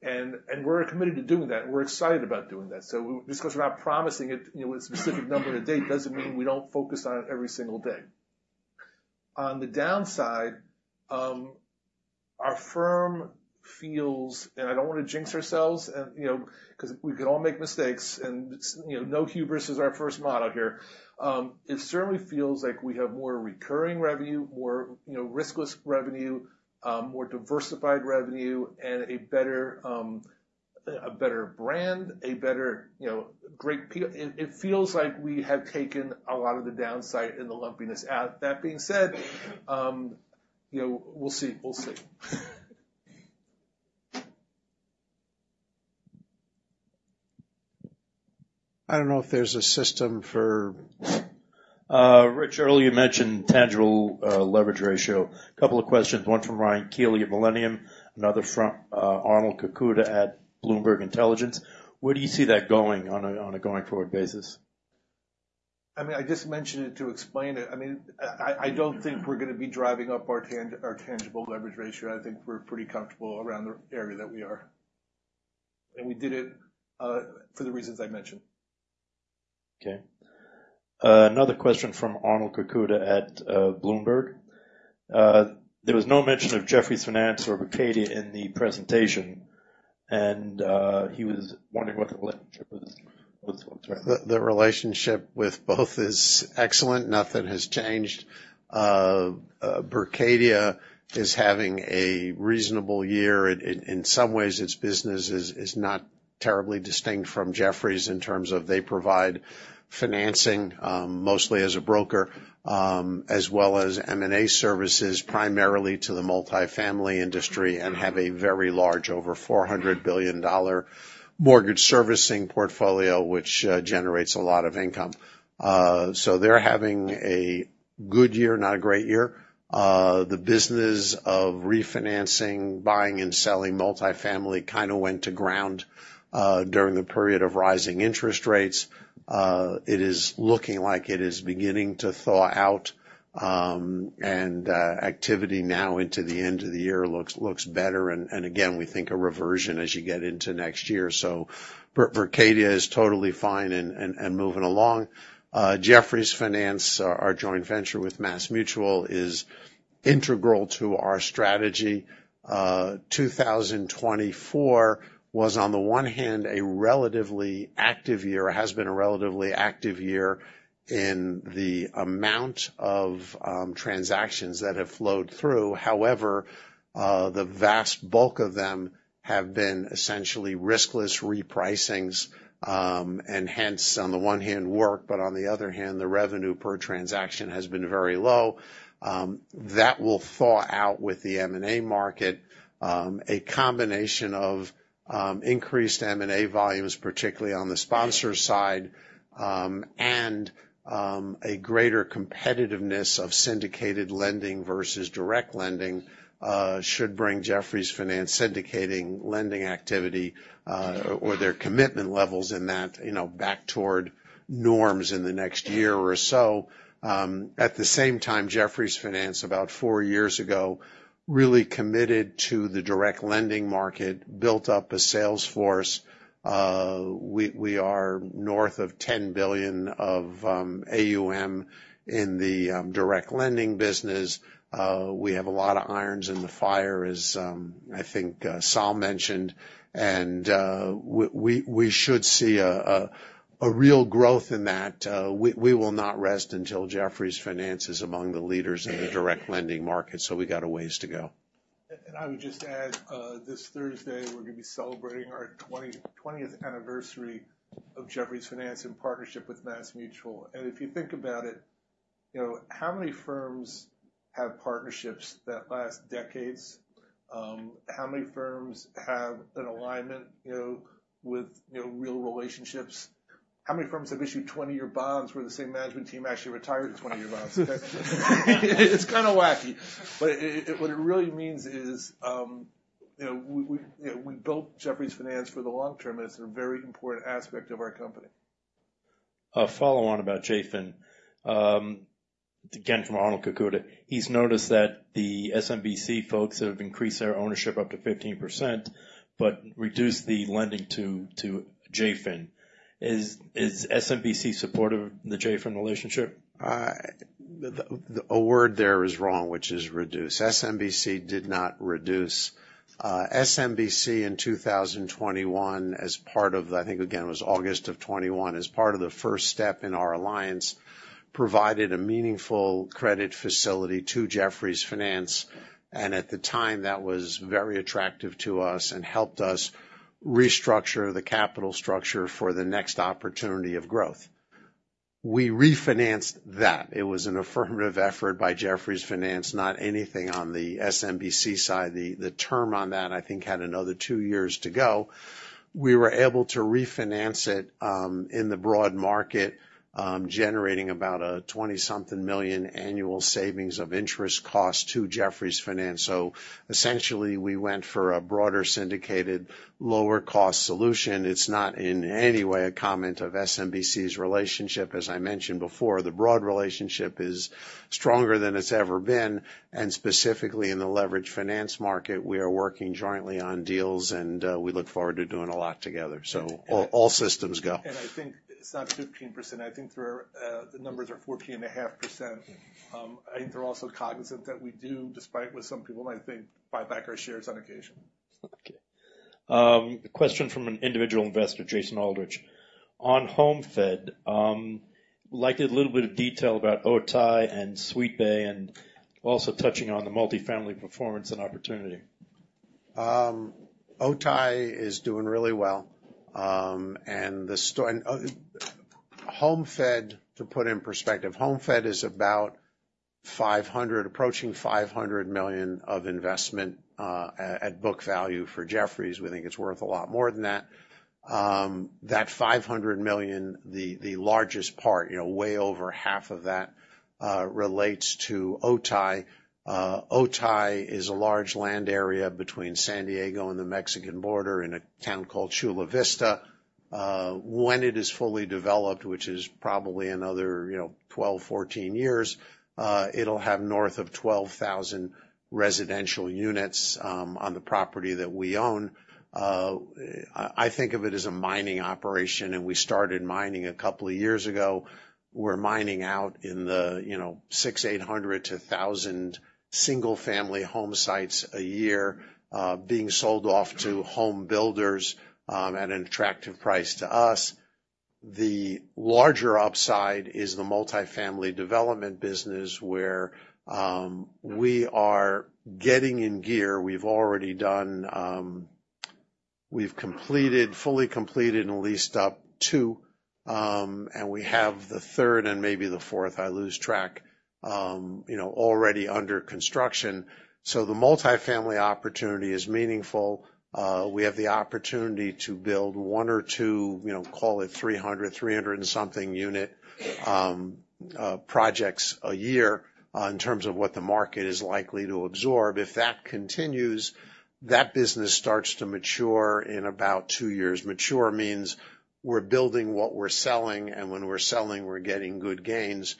And, and we're committed to doing that, and we're excited about doing that. So just because we're not promising it, you know, a specific number and a date, doesn't mean we don't focus on it every single day. On the downside, our firm feels, and I don't want to jinx ourselves, and, you know, 'cause we can all make mistakes, and, you know, no hubris is our first motto here. It certainly feels like we have more recurring revenue, more, you know, riskless revenue, more diversified revenue, and a better, a better brand, a better, you know, it feels like we have taken a lot of the downside and the lumpiness out. That being said, you know, we'll see. We'll see. I don't know if there's a system for Rich, earlier, you mentioned tangible leverage ratio. A couple of questions, one from Ryan Keeley at Millennium, another from Arnold Kakuda at Bloomberg Intelligence. Where do you see that going on a going-forward basis? I mean, I just mentioned it to explain it. I mean, I don't think we're gonna be driving up our tangible leverage ratio. I think we're pretty comfortable around the area that we are. And we did it for the reasons I mentioned. Okay. Another question from Arnold Kakuda at Bloomberg. There was no mention of Jefferies Finance or Berkadia in the presentation, and he was wondering what the relationship was with them. The relationship with both is excellent. Nothing has changed. Berkadia is having a reasonable year. In some ways, its business is not terribly distinct from Jefferies in terms of they provide financing, mostly as a broker, as well as M&A services, primarily to the multifamily industry, and have a very large, over $400 billion mortgage servicing portfolio, which generates a lot of income. So they're having a good year, not a great year. The business of refinancing, buying and selling multifamily, kind of went to ground during the period of rising interest rates. It is looking like it is beginning to thaw out, and activity now into the end of the year looks better, and again, we think a reversion as you get into next year. Berkadia is totally fine and moving along. Jefferies Finance, our joint venture with MassMutual, is integral to our strategy. Two thousand twenty-four was, on the one hand, a relatively active year, or has been a relatively active year in the amount of transactions that have flowed through. However, the vast bulk of them have been essentially riskless repricings, and hence, on the one hand, work, but on the other hand, the revenue per transaction has been very low. That will thaw out with the M&A market. A combination of increased M&A volumes, particularly on the sponsor side, and a greater competitiveness of syndicated lending versus direct lending should bring Jefferies Finance syndicated lending activity, or their commitment levels in that, you know, back toward norms in the next year or so. At the same time, Jefferies Finance, about four years ago, really committed to the direct lending market, built up a sales force. We are north of $10 billion of AUM in the direct lending business. We have a lot of irons in the fire, as I think Sol mentioned, and we should see a real growth in that. We will not rest until Jefferies Finance is among the leaders in the direct lending market, so we got a ways to go. I would just add, this Thursday, we're going to be celebrating our 20th anniversary of Jefferies Finance in partnership with MassMutual. If you think about it, you know, how many firms have partnerships that last decades? How many firms have an alignment, you know, with you know real relationships? How many firms have issued 20-year bonds where the same management team actually retired the 20-year bonds? It's kind of wacky, but what it really means is, you know, we you know we built Jefferies Finance for the long term, and it's a very important aspect of our company. A follow-on about JFIN. Again, from Arnold Kakuda. He's noticed that the SMBC folks have increased their ownership up to 15%, but reduced the lending to JFIN. Is SMBC supportive of the JFIN relationship? A word there is wrong, which is reduced. SMBC did not reduce. SMBC in 2021, as part of, I think, again, it was August of 2021, as part of the first step in our alliance, provided a meaningful credit facility to Jefferies Finance, and at the time, that was very attractive to us and helped us restructure the capital structure for the next opportunity of growth. We refinanced that. It was an affirmative effort by Jefferies Finance, not anything on the SMBC side. The term on that, I think, had another two years to go. We were able to refinance it in the broad market, generating about a $20-something million annual savings of interest costs to Jefferies Finance. So essentially, we went for a broader syndicated, lower-cost solution. It's not in any way a comment of SMBC's relationship. As I mentioned before, the broad relationship is stronger than it's ever been, and specifically in the leveraged finance market, we are working jointly on deals, and we look forward to doing a lot together. So all systems go. I think it's not 15%. I think there are, the numbers are 14.5%. I think they're also cognizant that we do, despite what some people might think, buy back our shares on occasion. Okay. A question from an individual investor, Jason Aldridge. On HomeFed, liked a little bit of detail about Otay and SweetBay, and also touching on the multifamily performance and opportunity. Otay is doing really well, and HomeFed, to put in perspective, HomeFed is approaching $500 million of investment at book value for Jefferies. We think it's worth a lot more than that. That $500 million, the largest part, you know, way over half of that, relates to Otay. Otay is a large land area between San Diego and the Mexican border in a town called Chula Vista. When it is fully developed, which is probably another, you know, 12-14 years, it'll have north of 12,000 residential units on the property that we own. I think of it as a mining operation, and we started mining a couple of years ago. We're mining out in the, you know, 600, 800-1000 single-family home sites a year, being sold off to home builders, at an attractive price to us. The larger upside is the multifamily development business, where, we are getting in gear. We've already done, we've completed, fully completed and leased up two, and we have the third and maybe the fourth, I lose track, you know, already under construction. So the multifamily opportunity is meaningful. We have the opportunity to build one or two, you know, call it 300, 300 and something unit, projects a year, in terms of what the market is likely to absorb. If that continues, that business starts to mature in about two years. Mature means we're building what we're selling, and when we're selling, we're getting good gains.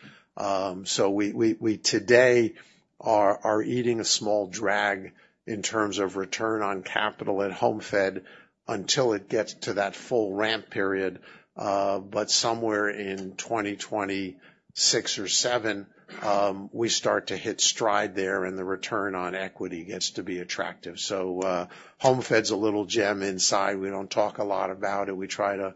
So we today are eating a small drag in terms of return on capital at HomeFed until it gets to that full ramp period. But somewhere in 2026 or 2027, we start to hit stride there, and the return on equity gets to be attractive. So, HomeFed's a little gem inside. We don't talk a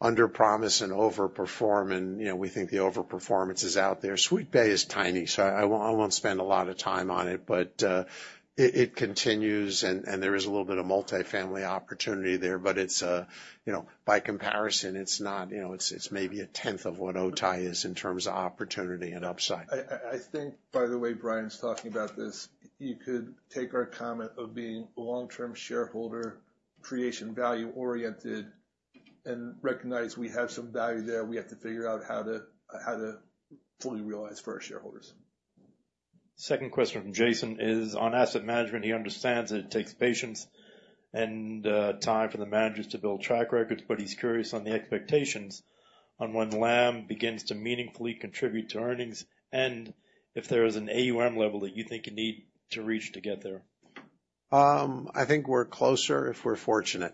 lot about it. We try to, you know, underpromise and overperform, and, you know, we think the overperformance is out there. SweetBay is tiny, so I won't spend a lot of time on it, but it continues and there is a little bit of multifamily opportunity there, but it's a, you know, by comparison, it's not. You know, it's maybe a tenth of what Otay is in terms of opportunity and upside. I think, by the way Brian's talking about this, you could take our comment of being a long-term shareholder, creation value-oriented, and recognize we have some value there. We have to figure out how to fully realize for our shareholders. Second question from Jason is on asset management. He understands that it takes patience and, time for the managers to build track records, but he's curious on the expectations on when LAM begins to meaningfully contribute to earnings and if there is an AUM level that you think you need to reach to get there. I think we're closer, if we're fortunate.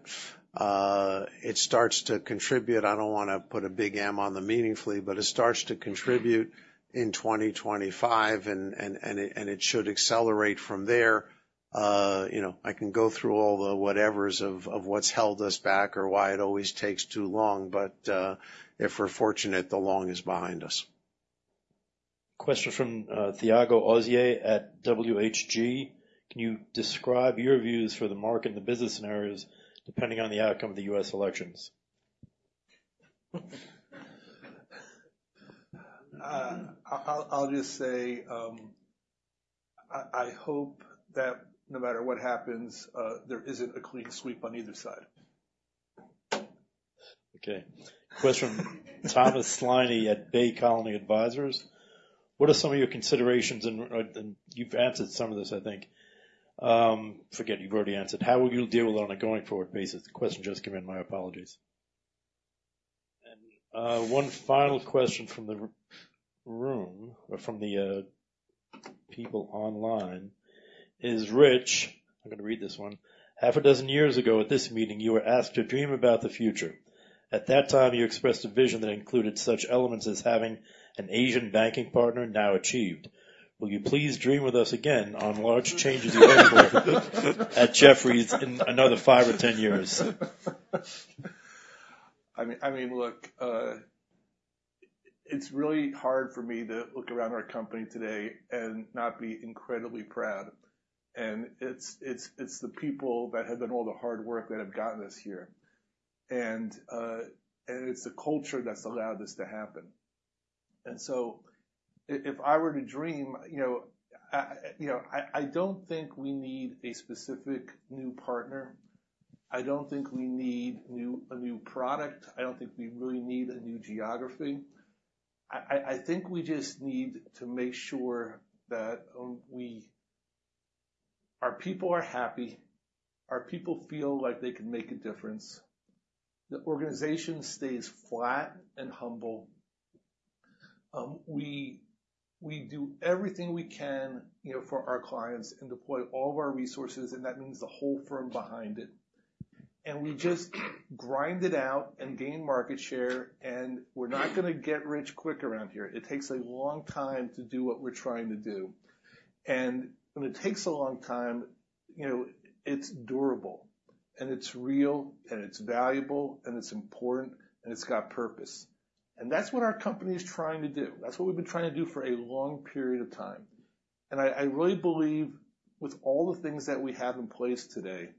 It starts to contribute. I don't wanna put a big M on the meaningfully, but it starts to contribute in 2025, and it should accelerate from there. You know, I can go through all the whatevers of what's held us back or why it always takes too long, but if we're fortunate, the long is behind us. Question from Thiago Osorio at WHG. Can you describe your views for the market and the business scenarios depending on the outcome of the U.S. elections? I'll just say, I hope that no matter what happens, there isn't a clean sweep on either side. Okay. Question from Thomas Sliney at Bay Colony Advisors. What are some of your considerations and, you've answered some of this, I think. Forget you've already answered. How will you deal with on a going-forward basis? The question just came in. My apologies. And, one final question from the room, or from the people online, is Rich. I'm gonna read this one. Half a dozen years ago at this meeting, you were asked to dream about the future. At that time, you expressed a vision that included such elements as having an Asian banking partner, now achieved. Will you please dream with us again on large changes available at Jefferies in another five or 10 years? I mean, look, it's really hard for me to look around our company today and not be incredibly proud. It's the people that have been all the hard work that have gotten us here. It's the culture that's allowed this to happen. So if I were to dream, you know, I don't think we need a specific new partner. I don't think we need a new product. I don't think we really need a new geography. I think we just need to make sure that we... Our people are happy, our people feel like they can make a difference, the organization stays flat and humble. We do everything we can, you know, for our clients and deploy all of our resources, and that means the whole firm behind it. And we just grind it out and gain market share, and we're not gonna get rich quick around here. It takes a long time to do what we're trying to do. And when it takes a long time, you know, it's durable, and it's real, and it's valuable, and it's important, and it's got purpose. And that's what our company is trying to do. That's what we've been trying to do for a long period of time. And I really believe with all the things that we have in place today,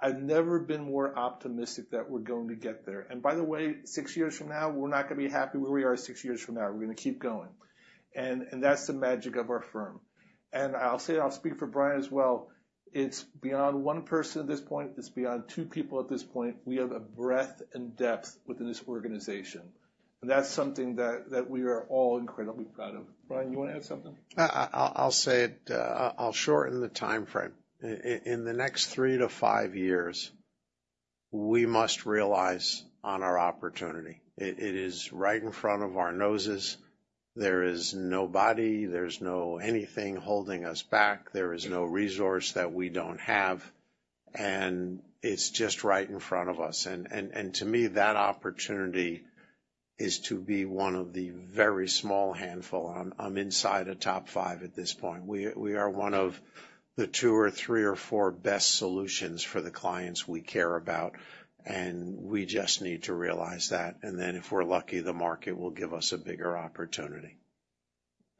I've never been more optimistic that we're going to get there. And by the way, six years from now, we're not gonna be happy where we are six years from now. We're gonna keep going. And that's the magic of our firm. I'll say, I'll speak for Brian as well, it's beyond one person at this point. It's beyond two people at this point. We have a breadth and depth within this organization, and that's something that, that we are all incredibly proud of. Brian, you want to add something? I'll say it. I'll shorten the timeframe. In the next three to five years, we must realize on our opportunity. It is right in front of our noses. There is nobody, there's no anything holding us back. There is no resource that we don't have, and it's just right in front of us, and to me, that opportunity is to be one of the very small handful. I'm inside a top five at this point. We are one of the two or three or four best solutions for the clients we care about, and we just need to realize that, and then, if we're lucky, the market will give us a bigger opportunity.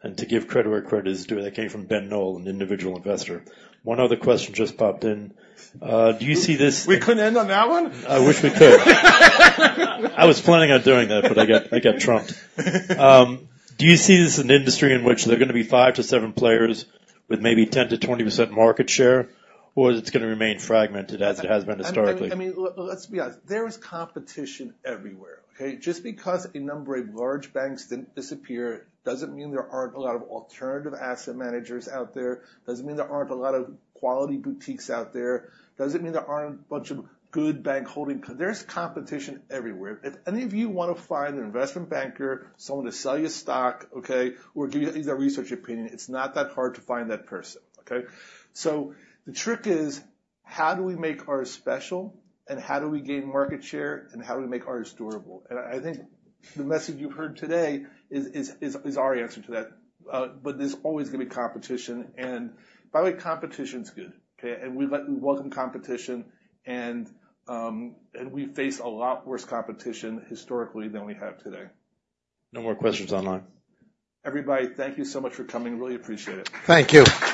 To give credit where credit is due, that came from Ben Noll, an individual investor. One other question just popped in. Do you see this? We couldn't end on that one? I wish we could. I was planning on doing that, but I got trumped. Do you see this as an industry in which there are gonna be five to seven players with maybe 10%-20% market share, or is it gonna remain fragmented as it has been historically? I mean, let's be honest, there is competition everywhere, okay? Just because a number of large banks didn't disappear doesn't mean there aren't a lot of alternative asset managers out there, doesn't mean there aren't a lot of quality boutiques out there, doesn't mean there aren't a bunch of good bank holding, because there's competition everywhere. If any of you want to find an investment banker, someone to sell you stock, okay, or give you a research opinion, it's not that hard to find that person, okay? The trick is, how do we make ours special, and how do we gain market share, and how do we make ours durable? I think the message you've heard today is our answer to that. But there's always gonna be competition. By the way, competition's good, okay? We welcome competition, and we face a lot worse competition historically than we have today. No more questions online. Everybody, thank you so much for coming. Really appreciate it. Thank you.